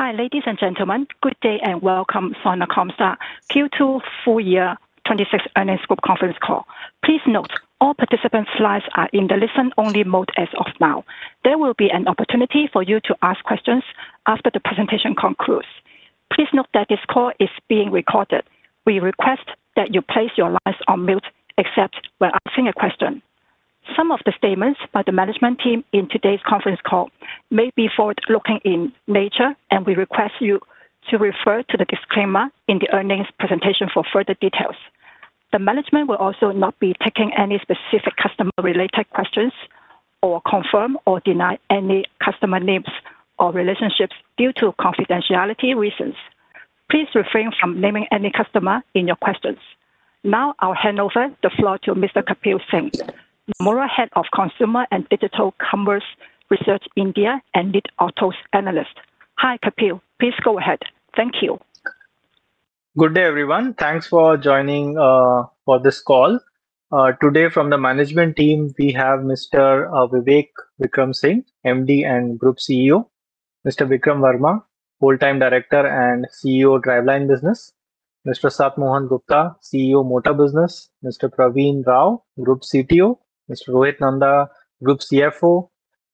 Hi ladies and gentlemen. Good day and welcome to the Sona Comstar Q2 Full Year 2026 Earnings Group Conference call. Please note all participants' lines are in the listen-only mode. There will be an opportunity for you to ask questions after the presentation concludes. Please note that this call is being recorded. We request that you place your lines on mute except when asking a question. Some of the statements by the management team in today's conference call may be forward-looking in nature and we request you to refer to the disclaimer in the earnings presentation for further details. The management will also not be taking any specific customer-related questions or confirm or deny any customer names or relationships due to confidentiality reasons. Please refrain from naming any customer in your questions. Now I'll hand over the floor to Mr. Kapil Singh, Head of Consumer and Digital Commerce Research India and Lead Autos Analyst at Nomura. Hi Kapil. Please go ahead. Thank you. Good day everyone. Thanks for joining for this call today. From the management team we have Mr. Vivek Vikram Singh, MD and Group CEO, Mr. Vikram Verma, Full-Time Director and CEO, Driveline Business, Mr. Sat Mohan Gupta, CEO, Motor Business, Mr. Praveen Rao, Group CTO, Mr. Rohit Nanda, Group CFO,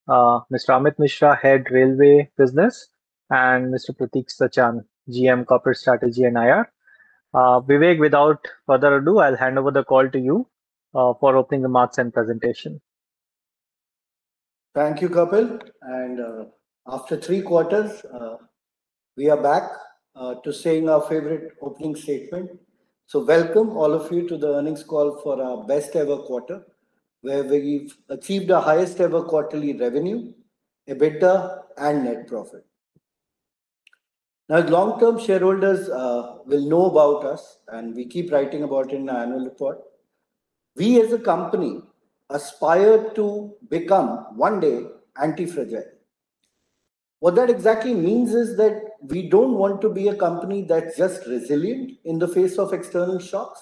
Mr. Amit Mishra, Head, Railway Business, and Mr. Pratik Sachan, GM, Corporate Strategy and IR. Vivek, without further ado, I'll hand over the call to you for opening remarks and presentation. Thank you, Kapil. After three quarters, we are back to saying our favorite opening statement. Welcome all of you to the earnings call for our best ever quarter where we've achieved our highest ever quarterly revenue, EBITDA, and net profit. Long term shareholders will know about us, and we keep writing about it in our annual report. We as a company aspire to become one day antifragile. What that exactly means is that we don't want to be a company that's just resilient in the face of external shocks,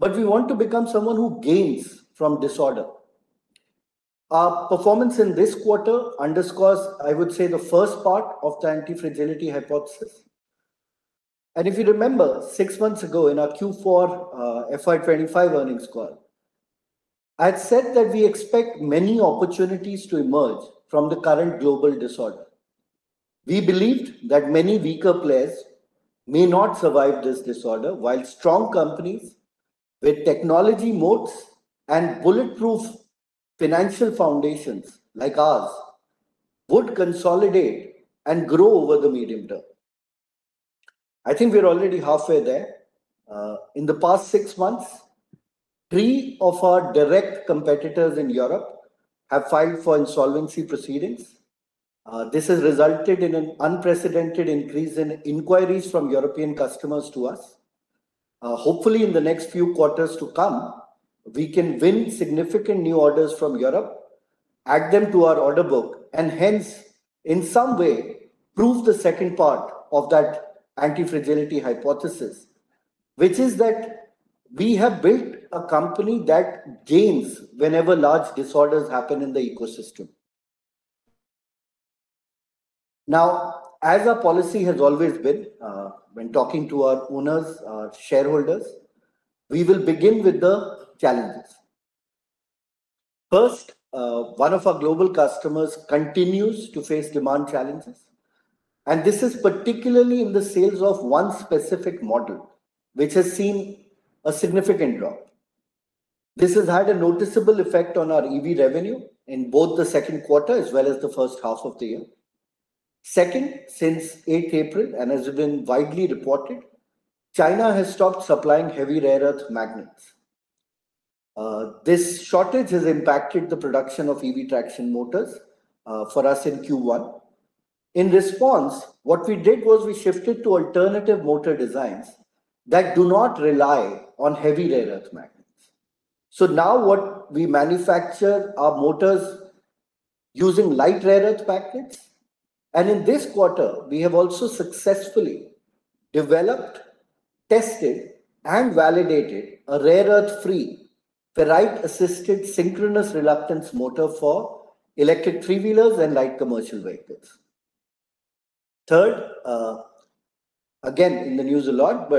but we want to become someone who gains from disorder. Our performance in this quarter underscores, I would say, the first part of the antifragility hypothesis. If you remember six months ago in our Q4 FY 2025 earnings call, I had said that we expect many opportunities to emerge from the current global disorder. We believed that many weaker players may not survive this disorder, while strong companies with technology moats and bulletproof financial foundations like ours would consolidate and grow over the medium term. I think we're already halfway there. In the past six months, three of our direct competitors in Europe have filed for insolvency proceedings. This has resulted in an unprecedented increase in inquiries from European customers to us. Hopefully, in the next few quarters to come, we can win significant new orders from Europe, add them to our order book, and hence in some way prove the second part of that antifragility hypothesis, which is that we have built a company that gains whenever large disorders happen in the ecosystem. As our policy has always been when talking to our owners, shareholders, we will begin with the challenges. First, one of our global customers continues to face demand challenges, and this is particularly in the sales of one specific model which has seen a significant drop. This has had a noticeable effect on our EV revenue in both the second quarter as well as the first half of the year. Second, since the 8th of April and as has been widely reported, China has stopped supplying heavy rare earth magnets. This shortage has impacted the production of EV traction motors for us in Q1. In response, what we did was we shifted to alternative motor designs that do not rely on heavy rare earth magnets. Now what? We manufacture our motors using light rare earth packets, and in this quarter we have also successfully developed, tested, and validated a rare earth free ferrite-assisted synchronous reluctance motor for electric three wheelers and light commercial vehicles. Third, again in the news a lot,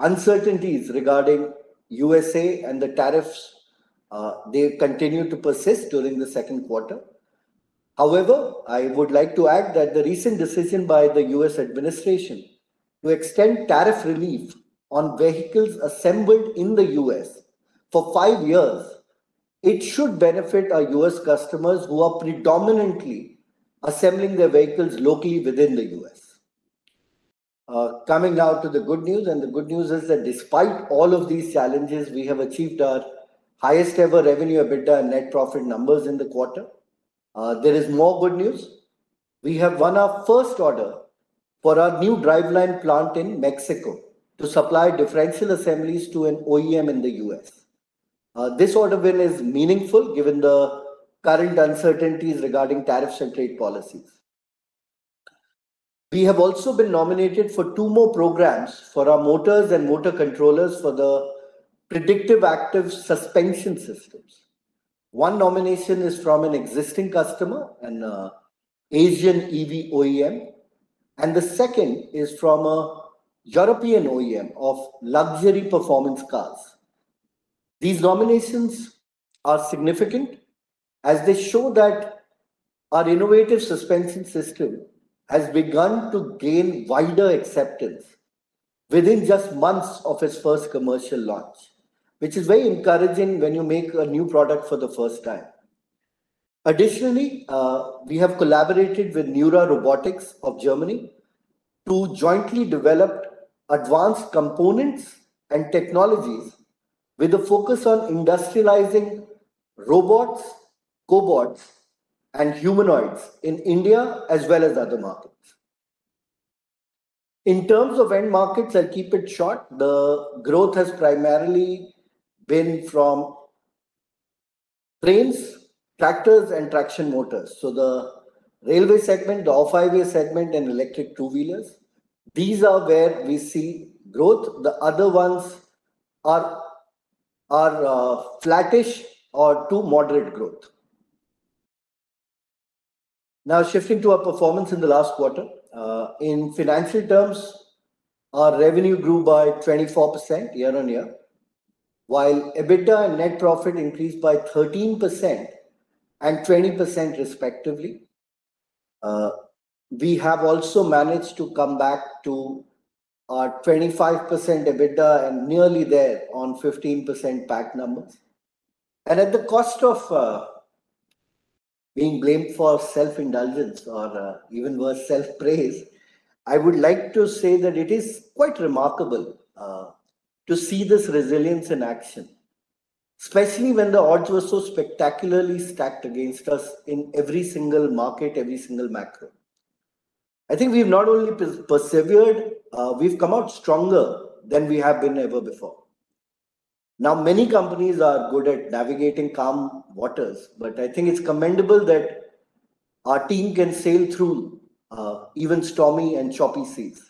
uncertainties regarding the U.S. and the tariffs continue to persist during the second quarter. However, I would like to add that the recent decision by the U.S. Administration to extend tariff relief on vehicles assembled in the U.S. for five years should benefit our U.S. customers who are predominantly assembling their vehicles locally within the U.S. Coming now to the good news, and the good news is that despite all of these challenges, we have achieved our highest ever revenue, EBITDA, and net profit numbers in the quarter. There is more good news. We have won our first order for our new driveline plant in Mexico to supply differential assemblies to an OEM in the U.S. This order win is meaningful given the current uncertainties regarding tariffs and trade policies. We have also been nominated for two more programs for our motors and motor controllers for the predictive active suspension systems. One nomination is from an existing customer, an Asian EV OEM, and the second is from a European OEM of luxury performance cars. These nominations are significant as they show that our innovative suspension system has begun to gain wider acceptance within just months of its first commercial launch, which is very encouraging when you make a new product for the first time. Additionally, we have collaborated with Neura Robotics of Germany to jointly develop advanced components and technologies with a focus on industrializing robots, cobots, and humanoids in India as well as other markets. In terms of end markets, I'll keep it short. The growth has primarily been from trains, tractors, and traction motors. The railway segment, the off-highway segment, and electric two wheelers are where we see growth. The other ones are flattish or too moderate growth. Now shifting to our performance in the last quarter in financial terms, our revenue grew by 24% year-on-year while EBITDA and net profit increased by 13% and 20% respectively. We have also managed to come back to our 25% EBITDA and nearly there on 15% PAT numbers, and at the cost of being blamed for self-indulgence or even worse, self-praise. I would like to say that it is quite remarkable to see this resilience in action, especially when the odds were so spectacularly stacked against us in every single market, every single macro. I think we've not only persevered, we've come out stronger than we have been ever before. Now, many companies are good at navigating calm waters, but I think it's commendable that our team can sail through even stormy and choppy seas,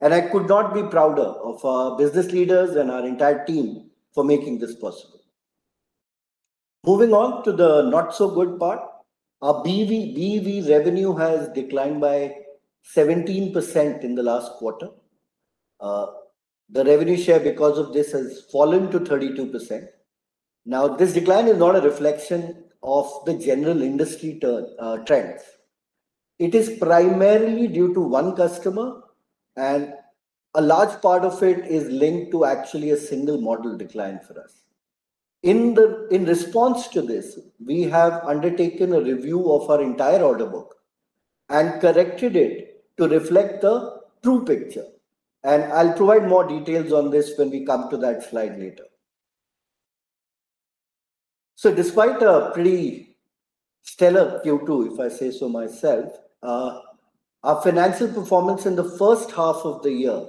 and I could not be prouder of our business leaders and our entire team for making this possible. Moving on to the not so good part, our BEV revenue has declined by 17% in the last quarter. The revenue share because of this has fallen to 32%. This decline is not a reflection of the general industry trends. It is primarily due to one customer, and a large part of it is linked to actually a single model decline for us. In response to this, we have undertaken a review of our entire order book and corrected it to reflect the true picture, and I'll provide more details on this when we come to that slide later. Despite a pretty stellar Q2 if I say so myself, our financial performance in the first half of the year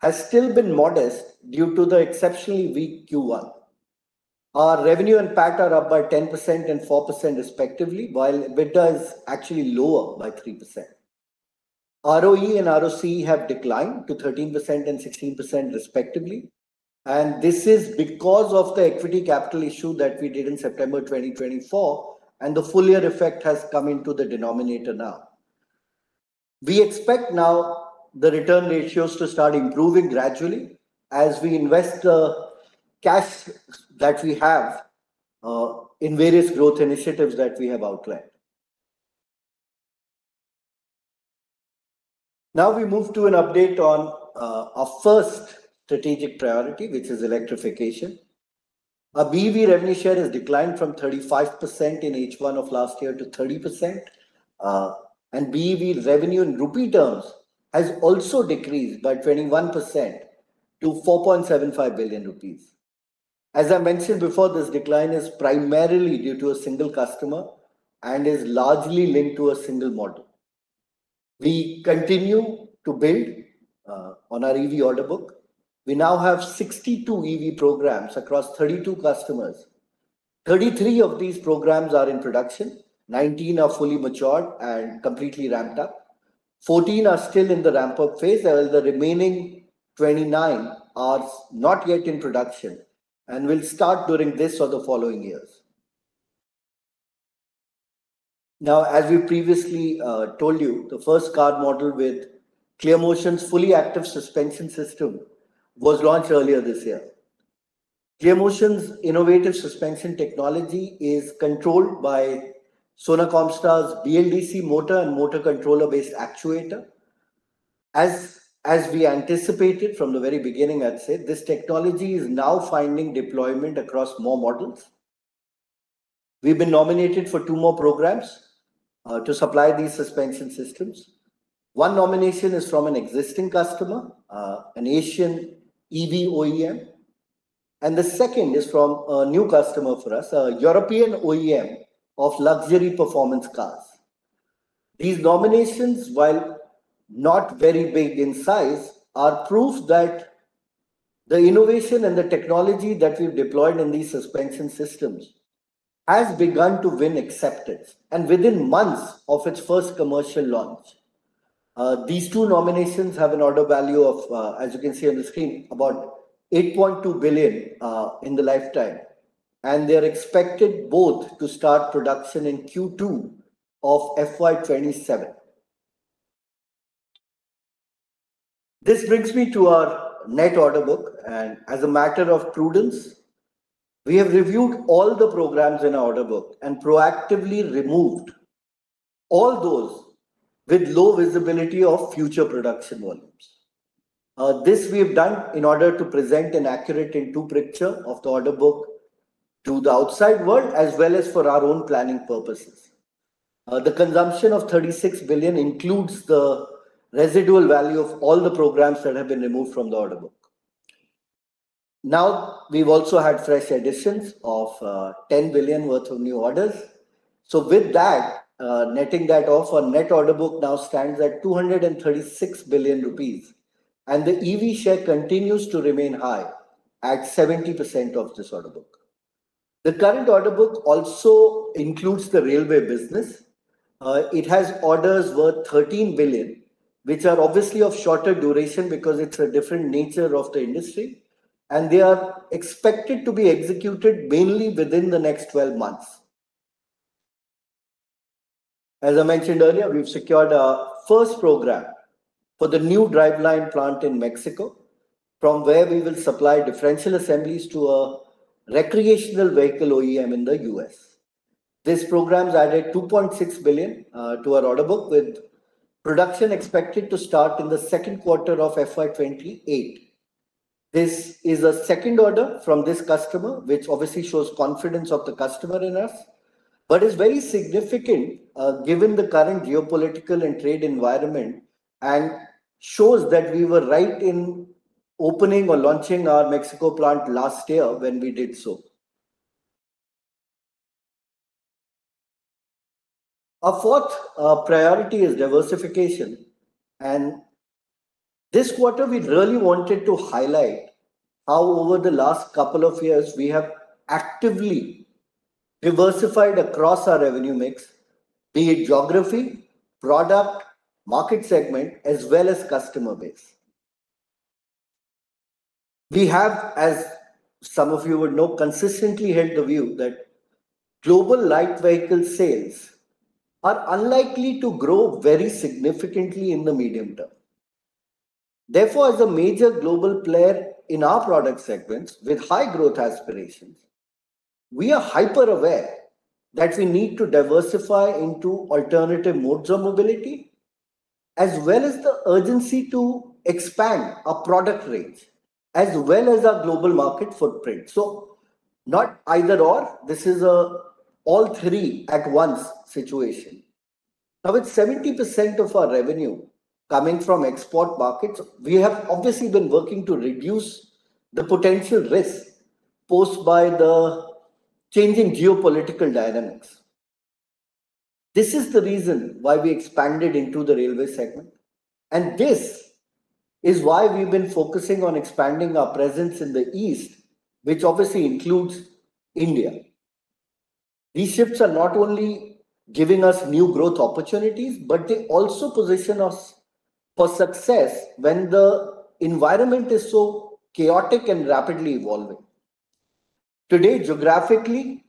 has still been modest due to the exceptionally weak Q1. Our revenue and PAT are up by 10% and 4% respectively, while EBITDA is actually lower by 3%. ROE and ROCE have declined to 13% and 16% respectively, and this is because of the equity capital issue that we did in September 2024 and the full year effect has come into the denominator. We expect now the return ratios to start improving gradually as we invest the cash that we have in various growth initiatives that we have outlined. Now we move to an update on our first strategic priority, which is electrification. Our BEV revenue share has declined from 35% in H1 of last year to 30%, and BEV revenue in rupee terms has also decreased by 21% to 4.75 billion rupees. As I mentioned before, this decline is primarily due to a single customer and is largely linked to a single model. We continue to build on our EV order book. We now have 62 EV programs across 32 customers. 33 of these programs are in production, 19 are fully matured and completely ramped up, 14 are still in the ramp up phase. The remaining 29 are not yet in production and will start during this or the following years. As we previously told you, the first car model with ClearMotion's fully active suspension system was launched earlier this year. Geomotion's innovative suspension technology is controlled by Sona Comstar's BLDC motor and motor controller-based actuator. As we anticipated from the very beginning, I'd say this technology is now finding deployment across more models. We've been nominated for two more programs to supply these suspension systems. One nomination is from an existing customer, an Asian EV OEM, and the second is from a new customer for us, a European OEM of luxury performance cars. These nominations, while not very big in size, are proof that the innovation and the technology that we've deployed in these suspension systems has begun to win acceptance within months of its first commercial launch. These two nominations have an order value of, as you can see on the screen, about 8.2 billion in the lifetime, and they are expected both to start production in Q2 of FY2027. This brings me to our net order book. As a matter of prudence, we have reviewed all the programs in our order book and proactively removed all those with low visibility of future production volumes. This we have done in order to present an accurate picture of the order book to the outside world as well as for our own planning purposes. The consumption of 36 billion includes the residual value of all the programs that have been removed from the order book. We've also had fresh additions of 10 billion worth of new orders. With that netting that off, our net order book now stands at 236 billion rupees, and the EV share continues to remain high at 70% of this order book. The current order book also includes the railway business. It has orders worth 13 billion, which are obviously of shorter duration because it's a different nature of the industry, and they are expected to be executed mainly within the next 12 months. As I mentioned earlier, we've secured our first program for the new driveline plant in Mexico from where we will supply differential case assemblies to a recreational vehicle OEM in the U.S. This program has added 2.6 billion to our order book with production expected to start in the second quarter of FY 2028. This is a second order from this customer, which obviously shows confidence of the customer in us. It is very significant given the current geopolitical and trade environment and shows that we were right in opening or launching our Mexico plant last year when we did so. Our fourth priority is diversification and this quarter we really wanted to highlight how over the last couple of years we have actively diversified across our revenue mix, be it geography, product market segment as well as customer base. We have, as some of you would know, consistently held the view that global light vehicle sales are unlikely to grow very significantly in the medium term. Therefore, as a major global player in our product segments with high growth aspirations, we are hyper aware that we need to diversify into alternative modes of mobility as well as the urgency to expand our product range as well as our global market footprint. Not either or. This is all three at once situation. Now it's 70% of our revenue coming from export markets. We have obviously been working to reduce the potential risk posed by the changing geopolitical dynamics. This is the reason why we expanded into the railway segment and this is why we've been focusing on expanding our presence in the East, which obviously includes India. These shifts are not only giving us new growth opportunities, but they also position us for success when the environment is so chaotic and rapidly evolving. Today, geographically,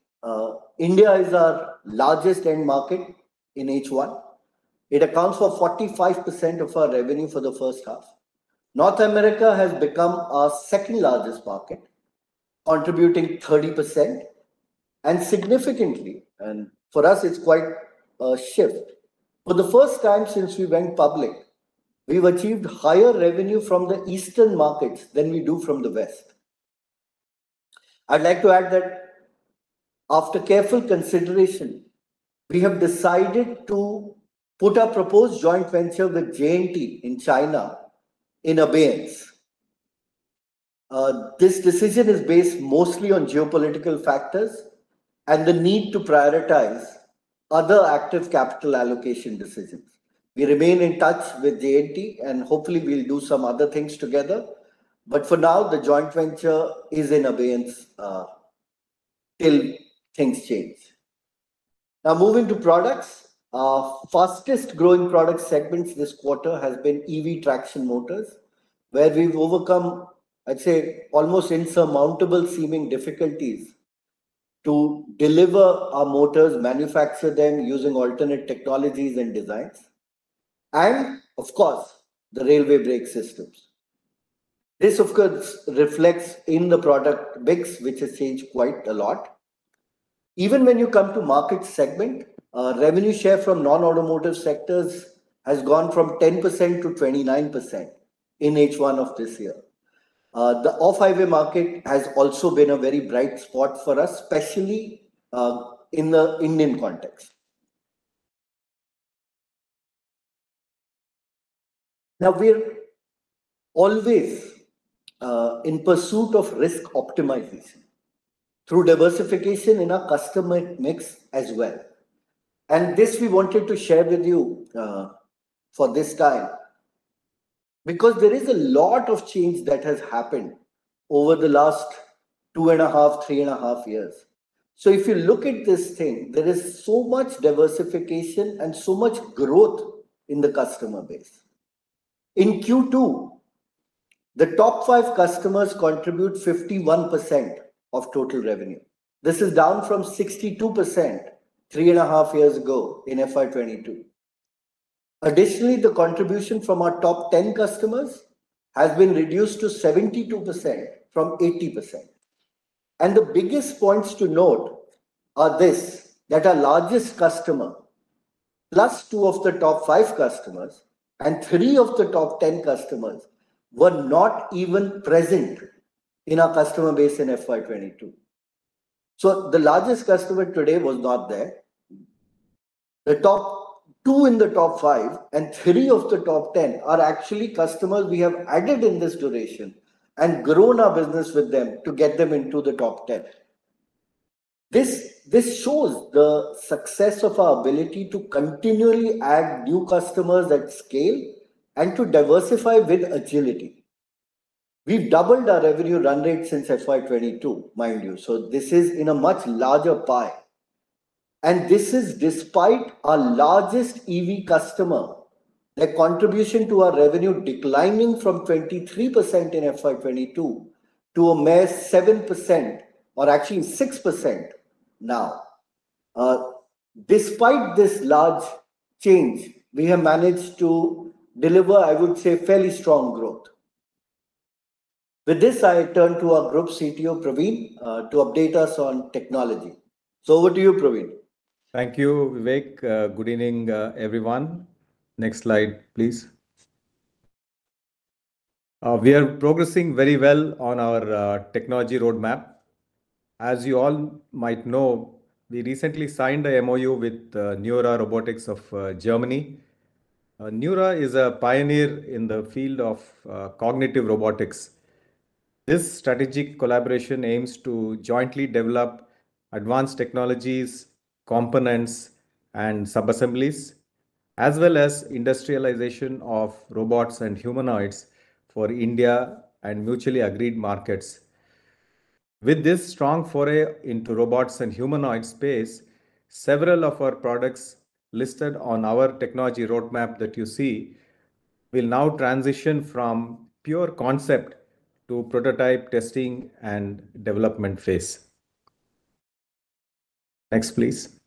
India is our largest end market in H1. It accounts for 45% of our revenue. For the first half, North America has become our second largest market contributing 30% and significantly and for us it's quite shift. For the first time since we went public, we've achieved higher revenue from the eastern markets than we do from the West. I'd like to add that after careful consideration, we have decided to put a proposed joint venture with JNT in China in abeyance. This decision is based mostly on geopolitical factors and the need to prioritize other active capital allocation decisions. We remain in touch with JNT and hopefully we'll do some other things together. For now the joint venture is in abeyance till things change. Now moving to products, fastest growing product segments this quarter has been EV traction motors where we've overcome, I'd say almost insurmountable seeming difficulties to deliver our motors, manufacture them using alternate technologies and designs and of course the railway brake systems. This of course reflects in the product mix which has changed quite a lot. Even when you come to market segment, revenue share from non-automotive sectors has gone from 10% to 29% in H1 of this year. The off-highway market has also been a very bright spot for us, especially in the Indian context. Now we're always in pursuit of risk optimization through diversification in our customer mix as well. We wanted to share this with you for this time because there is a lot of change that has happened over the last two and a half, three and a half years. If you look at this thing, there is so much diversification and so much growth in the customer base. In Q2, the top five customers contribute 51% of total revenue. This is down from 62% three and a half years ago in FY 2022. Additionally, the contribution from our top 10 customers has been reduced to 72% from 80%. The biggest points to note are this, that our largest customer plus two of the top five customers and three of the top 10 customers were not even present in our customer base in FY 2022. The largest customer today was not there. The top two in the top five and three of the top 10 are actually customers we have added in this duration and grown our business with them to get them into the top 10. This shows the success of our ability to continually add new customers at scale and to diversify with agility. We doubled our revenue run rate since FY 2022, mind you, so this is in a much larger pie. This is despite our largest EV customer, their contribution to our revenue declining from 23% in FY 2022 to a mere 7% or actually 6% now. Despite this large change, we have managed to deliver, I would say, fairly strong growth. With this, I turn to our Group CTO Praveen to update us on technology. Over to you, Praveen. Thank you, Vivek. Good evening everyone. Next slide please. We are progressing very well on our technology roadmap. As you all might know, we recently signed a MOU with NEURA Robotics of Germany. NEURA is a pioneer in the field of cognitive robotics. This strategic collaboration aims to jointly develop advanced technologies, components, and sub assemblies as well as industrialization of robots and humanoids for India and mutually agreed markets. With this strong foray into robots and humanoid space, several of our products listed on our technology roadmap that you see will now transition from pure concept to prototype testing and development phase. Next please.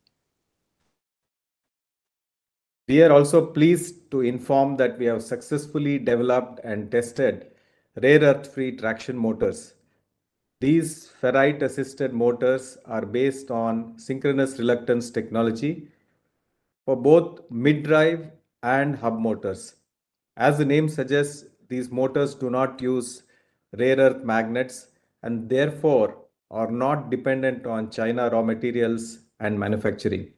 We are also pleased to inform that we have successfully developed and tested rare earth free traction motors. These ferrite-assisted motors are based on synchronous reluctance technology for both mid drive and hub motors. As the name suggests, these motors do not use rare earth magnets and therefore are not dependent on China raw materials and manufacturing.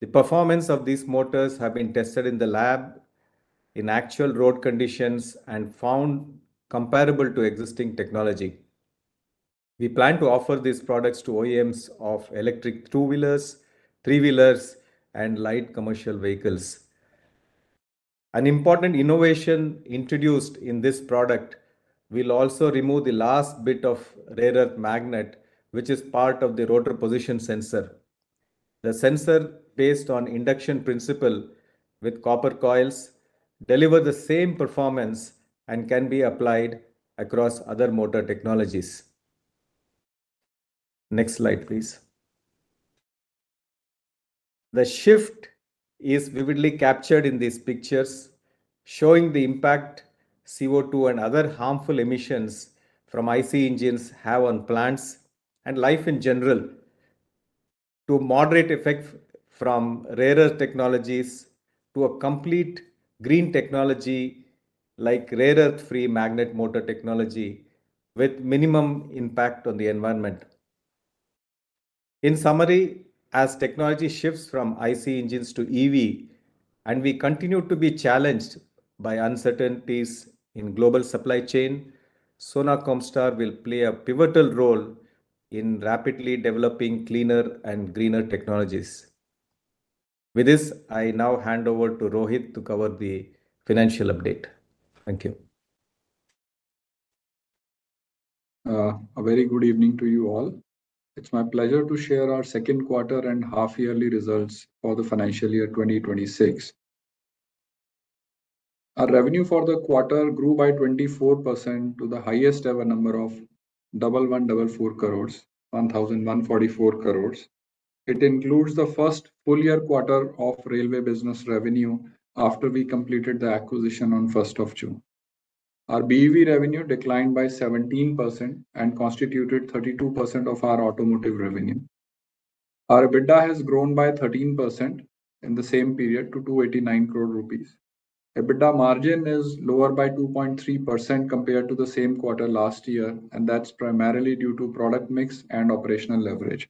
The performance of these motors has been tested in the lab and in actual road conditions and found comparable to existing technology. We plan to offer these products to OEMs of electric two wheelers, three wheelers, and light commercial vehicles. An important innovation introduced in this product will also remove the last bit of rare earth magnet which is part of the rotor position sensor. The sensor based on induction principle with copper coils delivers the same performance and can be applied across other motor technologies. Next slide please. The shift is vividly captured in these pictures showing the impact CO2 and other harmful emissions from IC engines have on plants and life in general to moderate effect from rare earth technologies to a complete green technology like rare earth free magnet motor technology with minimum impact on the environment. In summary, as technology shifts from IC engines to EV and we continue to be challenged by uncertainties in global supply chain, Sona Comstar will play a pivotal role in rapidly developing cleaner and greener technologies. With this I now hand over to Rohit to cover the financial update. Thank you. A very good evening to you all. It's my pleasure to share our second quarter and half yearly results for the financial year 2026. Our revenue for the quarter grew by 24% to the highest ever number of 1,144 crore. It includes the first full quarter of railway business revenue after we completed the acquisition on 1st of June. Our BEV revenue declined by 17% and constituted 32% of our automotive revenue. Our EBITDA has grown by 13% in the same period to 289 crore rupees. EBITDA margin is lower by 2.3% compared to the same quarter last year and that's primarily due to product mix and operational leverage.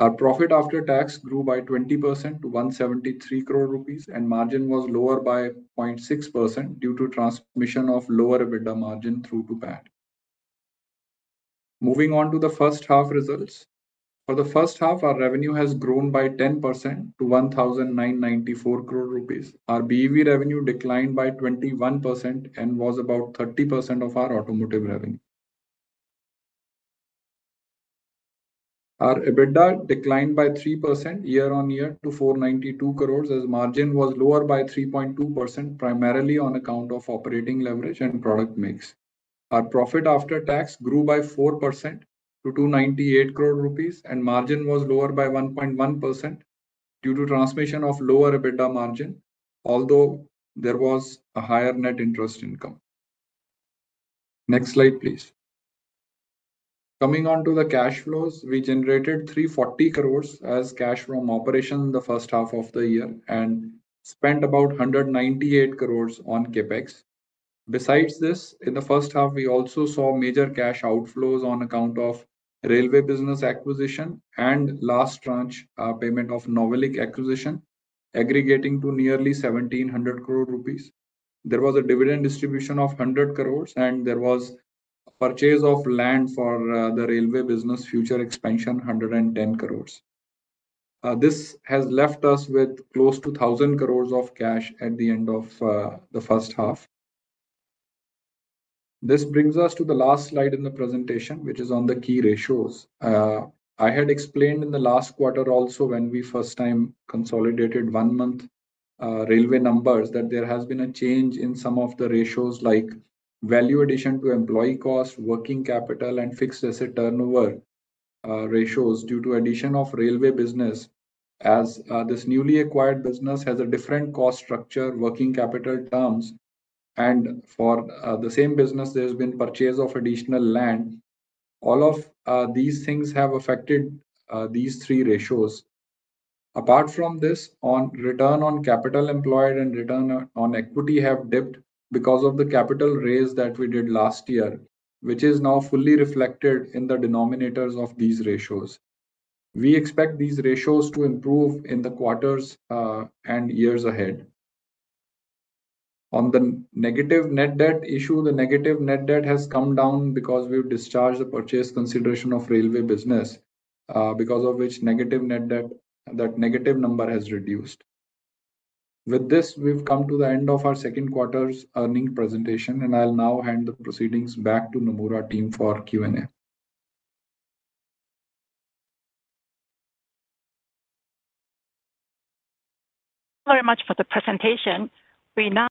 Our profit after tax grew by 20% to 173 crore rupees and margin was lower by 0.6% due to transmission of lower EBITDA margin through to PAT. Moving on to the first half results, for the first half our revenue has grown by 10% to 1,994 crore rupees. Our BEV revenue declined by 21% and was about 30% of our automotive revenue. Our EBITDA declined by 3% year-on-year to 492 crore as margin was lower by 3.2% primarily on account of operating leverage and product mix. Our profit after tax grew by 4% to 298 crore rupees and margin was lower by 1.1% due to transmission of lower EBITDA margin although there was a higher net interest income. Next slide please. Coming on to the cash flows, we generated 340 crore as cash from operations in the first half of the year and spent about 198 crore on CapEx. Besides this, in the first half we also saw major cash outflows on account of railway business acquisition and last tranche payment of Novelic acquisition aggregating to nearly 1,700 crore rupees. There was a dividend distribution of 100 crore and there was purchase of land for the railway business future expansion, 110 crore. This has left us with close to 1,000 crore of cash at the end of the first half. This brings us to the last slide in the presentation, which is on the key ratios. I had explained in the last quarter also when we first time consolidated one month railway numbers that there has been a change in some of the ratios like value addition to employee cost, working capital and fixed asset turnover ratios due to addition of railway business. As this newly acquired business has a different cost structure, working capital terms and for the same business there's been purchase of additional land. All of these things have affected these three ratios. Apart from this, on return on capital employed and return on equity, have dipped because of the capital raise that we did last year, which is now fully reflected in the denominators of these ratios. We expect these ratios to improve in the quarters and years ahead. On the negative net debt issue, the negative net debt has come down because we've discharged the purchase consideration of railway business, because of which negative net debt, that negative number, has reduced. With this, we've come to the end of our second quarter's earning presentation, and I'll now hand the proceedings back to Nomura team for Q&A. Thank you very much for the presentation. We now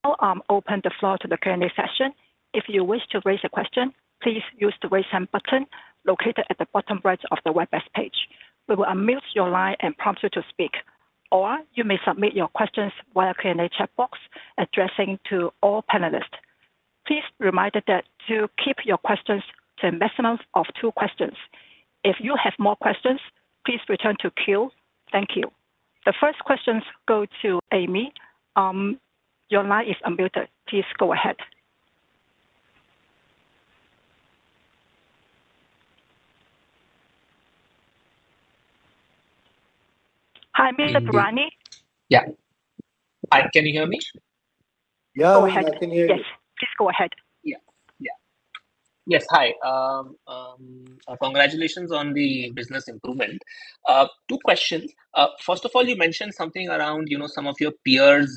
open the floor to the Q&A session. If you wish to raise a question, please use the raise hand button located at the bottom right of the web-based page. We will unmute your line and prompt you to speak, or you may submit your questions via the Q&A chat box addressing all panelists. Please remember to keep your questions to a maximum of two questions. If you have more questions, please return to Q. Thank you. The first questions go to Amy. Your line is unmuted. Please go ahead. Hi Mr. Bharani. Hi, can you hear me? Yeah, go ahead. Yes, please go ahead. Yeah. Yeah. Yes. Hi. Congratulations on the business improvement. Two questions. First of all, you mentioned something around, you know, some of your peers,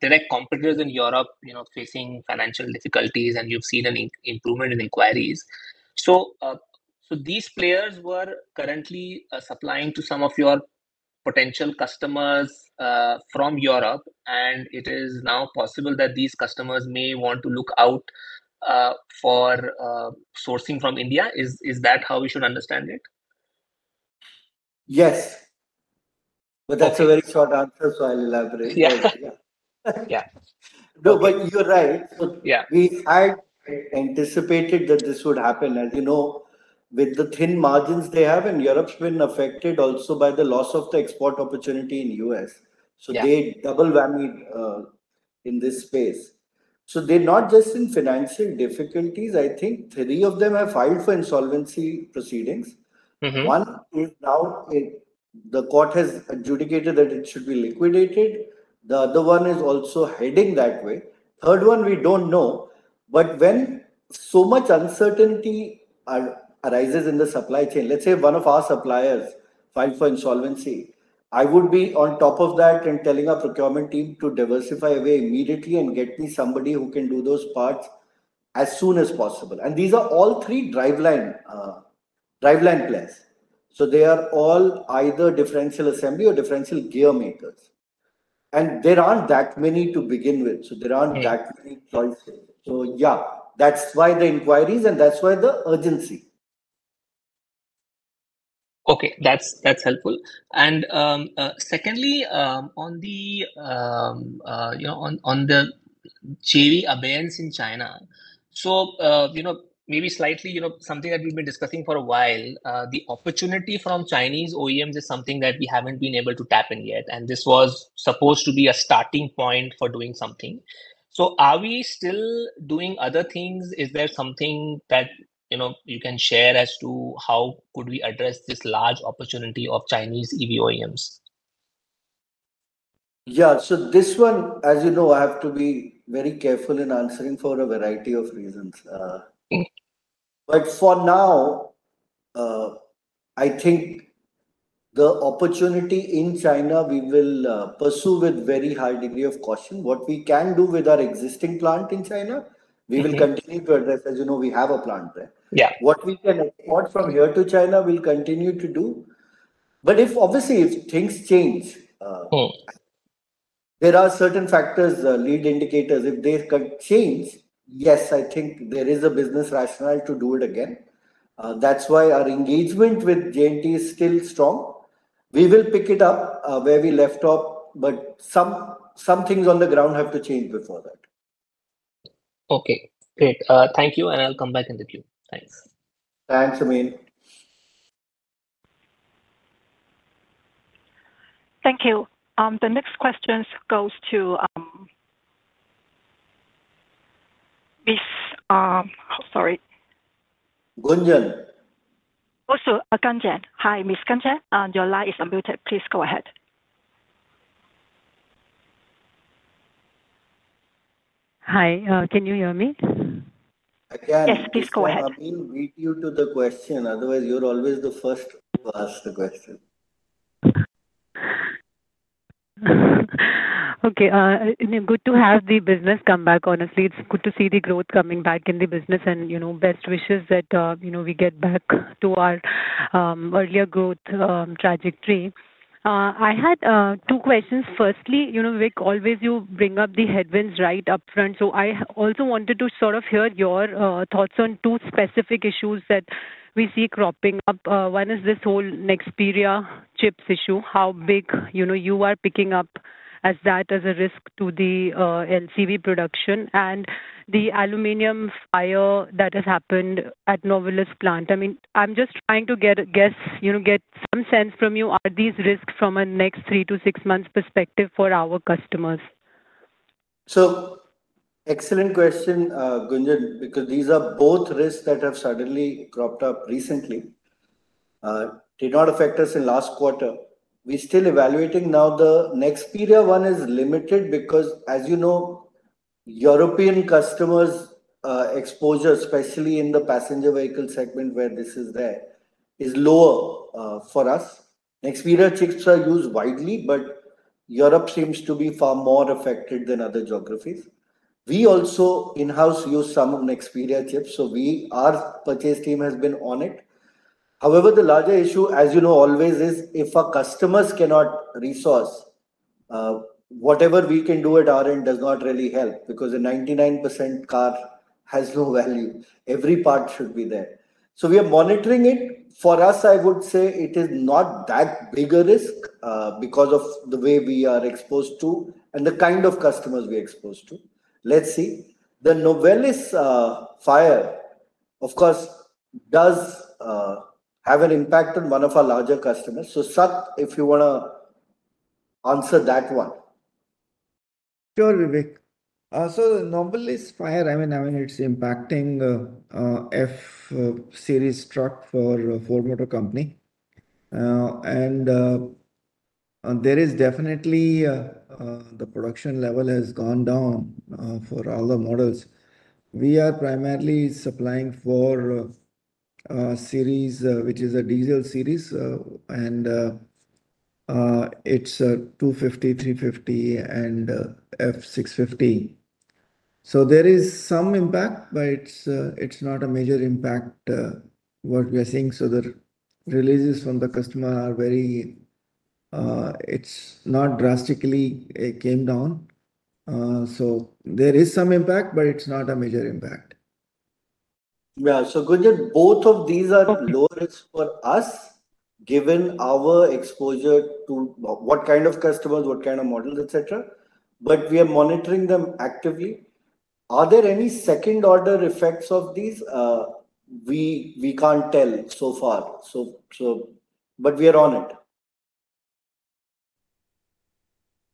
direct competitors in Europe, facing financial difficulties and you've seen an improvement in inquiries. These players were currently supplying to some of your potential customers from Europe and it is now possible that these customers may want to look out for sourcing from India. Is that how we should understand it? Yes, that's a very short answer, so I'll elaborate. You're right. Yeah. We had anticipated that this would happen, as you know, with the thin margins they have. Europe has been affected also by the loss of the export opportunity in the U.S., so they are double whammied in this space. They are not just in financial difficulties. I think three of them have filed for insolvency proceedings. One is now at it, the court has adjudicated that it should be liquidated. The other one is also heading that way. Third one, we don't know. When so much uncertainty arises in the supply chain, let's say one of our suppliers filed for insolvency, I would be on top of that and telling our procurement team to diversify away immediately and get me somebody who can do those parts as soon as possible. These are all three driveline, driveline plants. They are all either differential assembly or differential gear makers, and there aren't that many to begin with, so there aren't that many choices. That's why the inquiries and that's why the urgency. Okay, that's helpful. Secondly, on the JV abeyance in China, something that we've been discussing for a while, the opportunity from Chinese OEMs is something that we haven't been able to tap in yet. This was supposed to be a starting point for doing something. Are we still doing other things? Is there something that you can share as to how could we address this large opportunity of Chinese OEMs? Yeah, so this one, as you know, I have to be very careful in answering for a variety of reasons. For now, I think the opportunity in China we will pursue with a very high degree of caution. What we can do with our existing plant in China, we will continue to address. As you know, we have a plant. What we can export from here to China, we'll continue to do. Obviously, if things change, there are certain factors, lead indicators, if they could change. Yes, I think there is a business rationale to do it again. That's why our engagement with JNT is still strong. We will pick it up where we left off. Some things on the ground have to change before that. Okay, great. Thank you. I'll come back in the queue. Thanks. Thanks Amin. Thank you. The next question goes to Gunjan also. Hi Gunjan, your line is unmuted. Please go ahead. Hi, can you hear me? Yes, please go ahead. Otherwise, you're always the first to ask the question. Okay. Good to have the business come back. Honestly, it's good to see the growth coming back in the business and, you know, best wishes that, you know, we get back to our earlier growth trajectory. I had two questions. Firstly, Vik, always you bring up the headwinds right up front. I also wanted to sort of hear your thoughts on two specific issues that we see cropping up. One is this whole Nexperia chips issue. How big you are picking up as that as a risk to the LCV production and the aluminum fire that has happened at Novelis plant. I'm just trying to get a guess, you know, get some sense from you. Are these risks from a next three to six months perspective for our customers? Excellent question, Gunjan. These are both risks that have suddenly cropped up recently and did not affect us in the last quarter. We are still evaluating now for the next period. One is limited because, as you know, European customers' exposure, especially in the passenger vehicle segment, is lower for us. Nexperia chips are used widely, but Europe seems to be far more affected than other geographies. We also in-house use some of Nexperia chips, so our purchase team has been on it. However, the larger issue, as you know, always is if our customers cannot resource, whatever we can do at our end does not really help because a 99% car has no value. Every part should be there. We are monitoring it. For us, I would say it is not that big a risk because of the way we are exposed to and the kind of customers we are exposed to. Let's see. The Novelis fire, of course, does have an impact on one of our larger customers. Sat, if you want to answer that one. Sure, Vivek. Novelis fire is impacting F-Series truck for Ford Motor Company, and definitely the production level has gone down for all the models. We are primarily supplying for F-Series, which is a diesel series, and it's 250, 350, and F650. There is some impact, but it's not a major impact. What we are seeing is the releases from the customer are not drastically coming down. There is some impact, but it's not a major impact. Gunjan, both of these are low risk for us given our exposure to what kind of customers, what kind of models, etc. We are monitoring them actively. Are there any second order effects of these? We can't tell so far, but we are on it.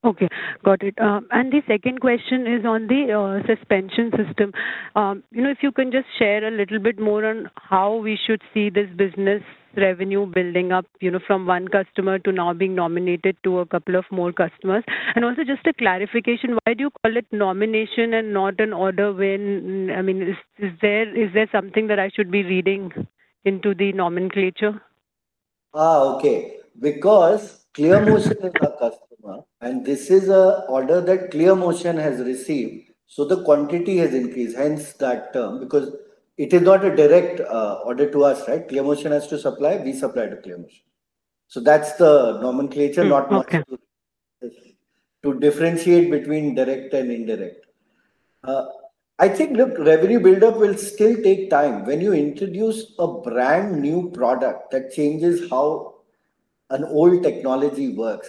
Okay, got it. The second question is on the suspension system. If you can just share a little bit more on how we should see this business revenue building up from one customer to now being nominated to a couple of more customers. Also, just a clarification, why do you call it nomination and not an order when I mean is there something that I should be reading into the nomenclature? Okay. Because ClearMotion is a customer and this is an order that ClearMotion has received. The quantity has increased, hence that term, because it is not a direct order to us. ClearMotion has to supply, we supply to ClearMotion. That's the nomenclature to differentiate between direct and indirect, I think. Look, revenue buildup will still take time. When you introduce a brand new product that changes how an old technology works,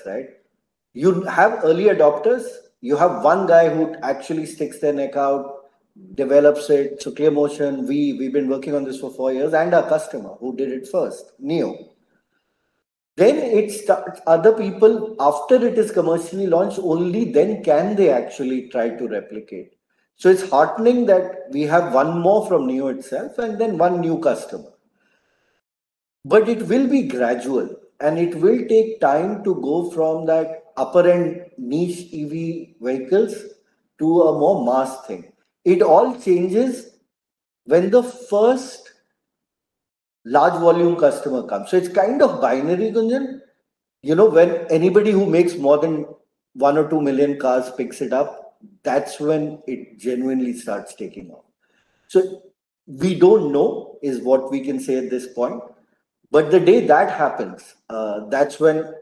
you have early adopters, you have one guy who actually sticks their neck out, develops it. ClearMotion, we've been working on this for four years and our customer who did it first, Nio, then it starts, other people after it is commercially launched, only then can they actually try to replicate. It's heartening that we have one more from Nio itself and then one new customer. It will be gradual and it will take time to go from that upper end niche EV vehicles to a more mass thing. It all changes when the first large volume customer comes. It's kind of binary. Gunjan, you know when anybody who makes more than 1 or 2 million cars picks it up, that's when it genuinely starts taking off. We don't know is what we can say at this point. The day that happens, that's when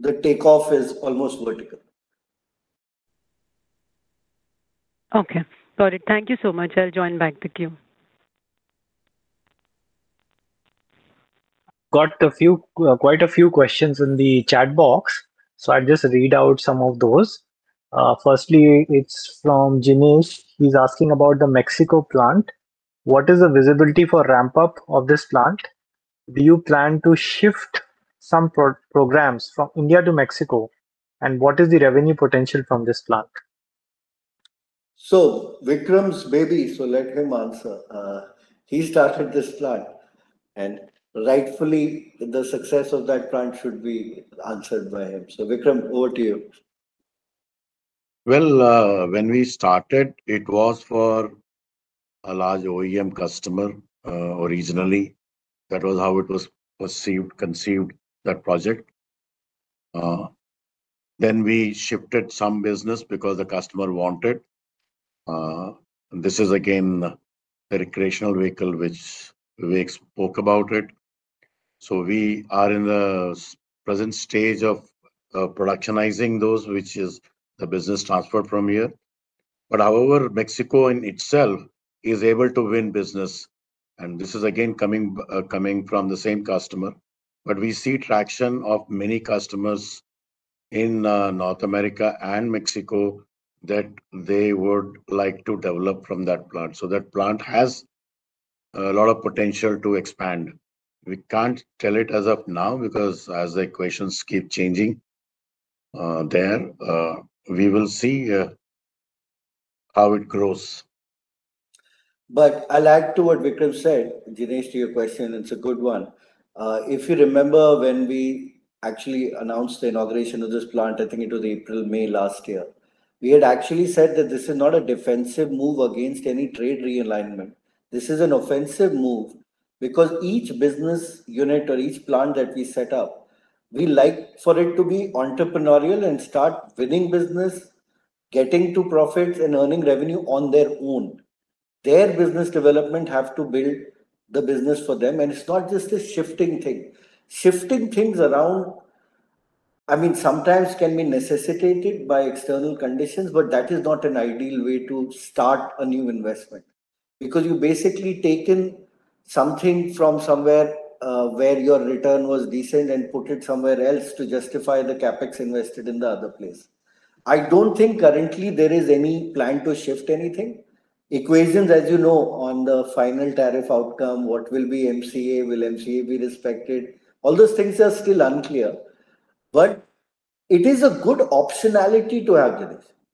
the takeoff is almost vertical. Okay, got it. Thank you so much. I'll join back the queue. Got quite a few questions in the chat box, so I'll just read out some of those. Firstly, it's from Ginesh. He's asking about the Mexico plant. What is the visibility for ramp up of this plant? Do you plan to shift some programs from India to Mexico? What is the revenue potential from this plant? Vikram's baby. Let him answer. He started this plant, and rightfully the success of that plant should be answered by him. Vikram, over to you. We started, it was for a large OEM customer originally, that was how it was conceived, that project. We shifted some business because the customer wanted, this is again recreational vehicle which we spoke about, so we are in the present stage of productionizing those, which is the business transfer from here. However, Mexico in itself is able to win business, and this is again coming from the same customer, but we see traction of many customers in North America and Mexico that they would like to develop from that plant. That plant has a lot of potential to expand. We can't tell it as of now because as the equations keep changing there, we will see how it grows. I'll add to what Vikram said, Ginesh, to your question. It's a good one. If you remember when we actually announced the inauguration of this plant, I think it was April or May last year, we had actually said that this is not a defensive move against any trade realignment. This is an offensive move because each business unit or each plant that we set up, we like for it to be entrepreneurial and start winning business, getting to profits, and earning revenue on their own. Their business development has to build the business for them, and it's not just a shifting thing. Shifting things around, I mean, sometimes can be necessitated by external conditions, but that is not an ideal way to start a new investment because you basically have taken something from somewhere where your return was decent and put it somewhere else to justify the CapEx invested in the other place. I don't think currently there is any plan to shift anything. Equations, as you know, on the final tariff outcome—what will be MCA? Will MCA be respected? All those things are still unclear, but it is a good optionality to have.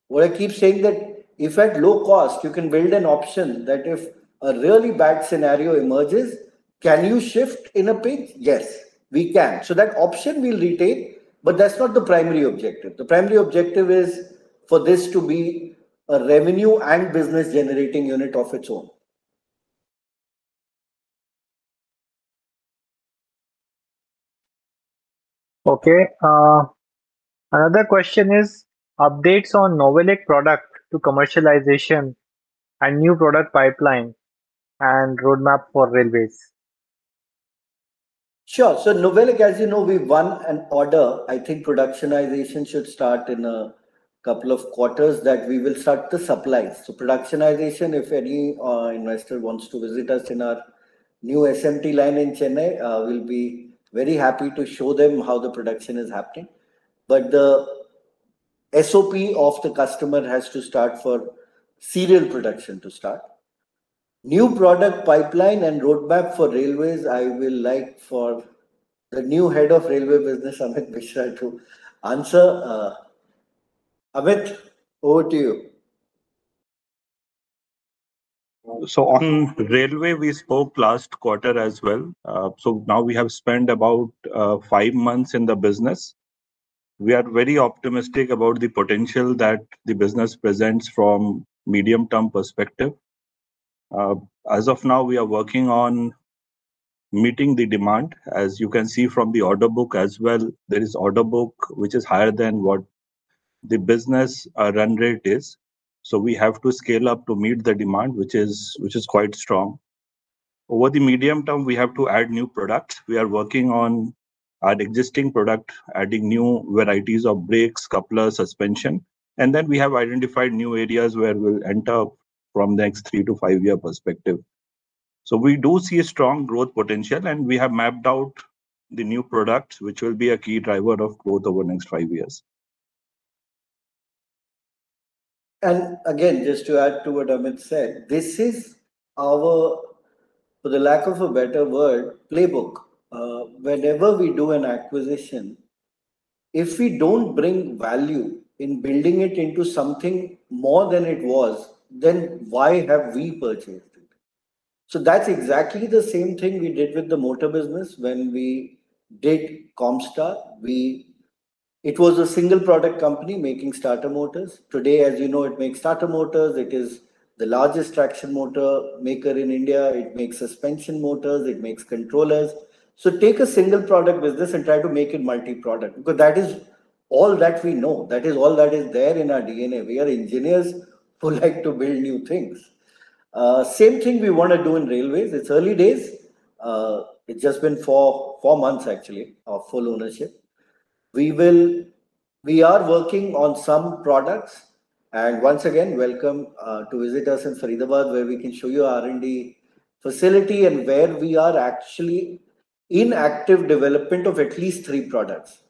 What I keep saying is that if at low cost you can build an option, that if a really bad scenario emerges, can you shift in a pinch? Yes, we can, so that option will remain, but that's not the primary objective. The primary objective is for this to be a revenue and business generating unit of its own. Okay, another question is updates on Novelic product to commercialization and new product pipeline and roadmap for railways. Sure. As you know, we won an order with Novelic. I think productionization should start in a couple of quarters, and we will start the supplies. If any investor wants to visit us in our new SMT line in Chennai, we will be very happy to show them how the production is happening. The SOP of the customer has to start for serial production to start. For the new product pipeline and roadmap for Railways, I would like the new Head of Railway Business, Amit Mishra, to answer. Amit, over to you. On railway, we spoke last quarter as well. Now we have spent about five months in the business. We are very optimistic about the potential that the business presents from a medium-term perspective. As of now, we are working on meeting the demand. As you can see from the order book as well, there is order book which is higher than what the business run rate is. We have to scale up to meet the demand, which is quite strong over the medium term. We have to add new products. We are working on our existing product, adding new varieties of brakes, coupler, suspension, and then we have identified new areas where we'll enter from the next three to five year perspective. We do see a strong growth potential, and we have mapped out the new products which will be a key driver of growth over the next five years. Just to add to what Amit said, this is our, for the lack of a better word, playbook. Whenever we do an acquisition, if we don't bring value in building it into something more than it was, then why have we purchased it? That's exactly the same thing we did with the motor business when we did Comstar. It was a single product company making starter motors. Today, as you know, it makes starter motors. It is the largest traction motor maker in India. It makes suspension motors, it makes controllers. Take a single product business and try to make it multi-product because that is all that we know, that is all that is there in our DNA. We are engineers who like to build new things. The same thing we want to do in railways. It's early days, it's just been four months actually of full ownership. We are working on some products and once again, welcome to visit us in Saridabad where we can show you the R&D facility and where we are actually in active development of at least three products.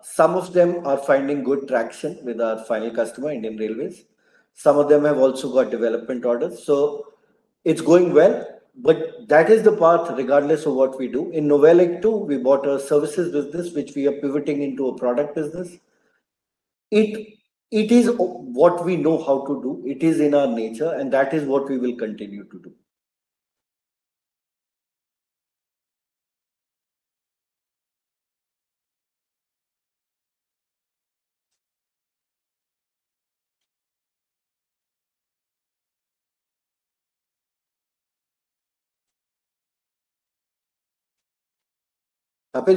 Some of them are finding good traction with our final customer, Indian Railways. Some of them have also got development orders. It's going well. That is the path regardless of what we do. In Novelic too, we bought a services business which we are pivoting into a product business. It is what we know how to do. It is in our nature and that is what we will continue to do.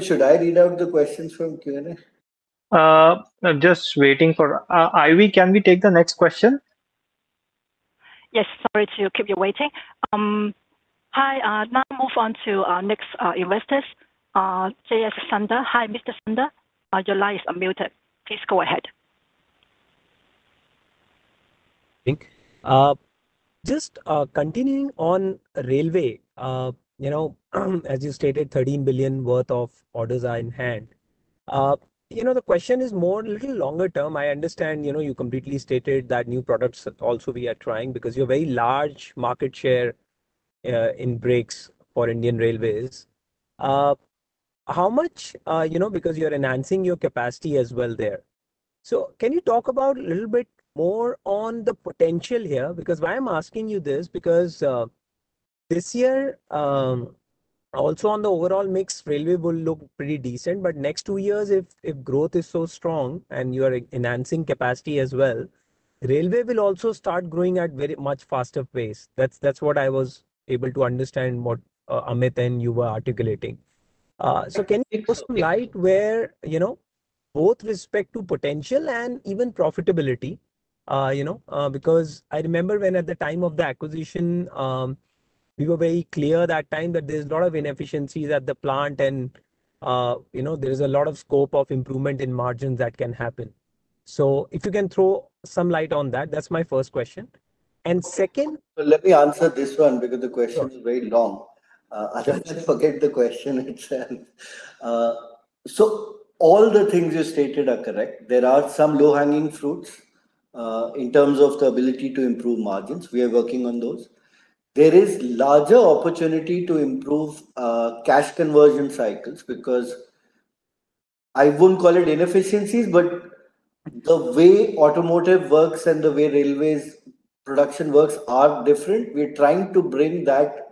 Should I read out the questions from Q&A? Just waiting for Ivy. Can we take the next question? Yes. Sorry to keep you waiting. Hi. Now move on to next investors. J.S. Sundar. Hi Mr. Sundar, your line is unmuted. Please go ahead. Just continuing on railway, as you stated, 13 billion worth of orders are in hand. The question is more, little longer term. I understand. You completely stated that new products also we are trying because you have very large market share in brakes for Indian Railways. How much? Because you're enhancing your capacity as well there. Can you talk about a little bit more on the potential here? Why I'm asking you this is because this year also on the overall mix, railway will look pretty decent. Next two years, if growth is so strong and you are enhancing capacity as well, railway will also start growing at very much faster pace. That's what I was able to understand what Amit and you were articulating. Can you put some light where both respect to potential and even profitability? I remember when, at the time of the acquisition, we were very clear that time that there's a lot of inefficiencies at the plant and there is a lot of scope of improvement in margins that can happen. If you can throw some light on that. That's my first question. Let me answer this one because the question is very long. Otherwise forget the question itself. All the things you stated are correct. There are some low hanging fruits in terms of the ability to improve margins. We are working on those. There is larger opportunity to improve cash conversion cycles because I wouldn't call it inefficiencies but the way automotive works and the way railways production works are different. We're trying to bring that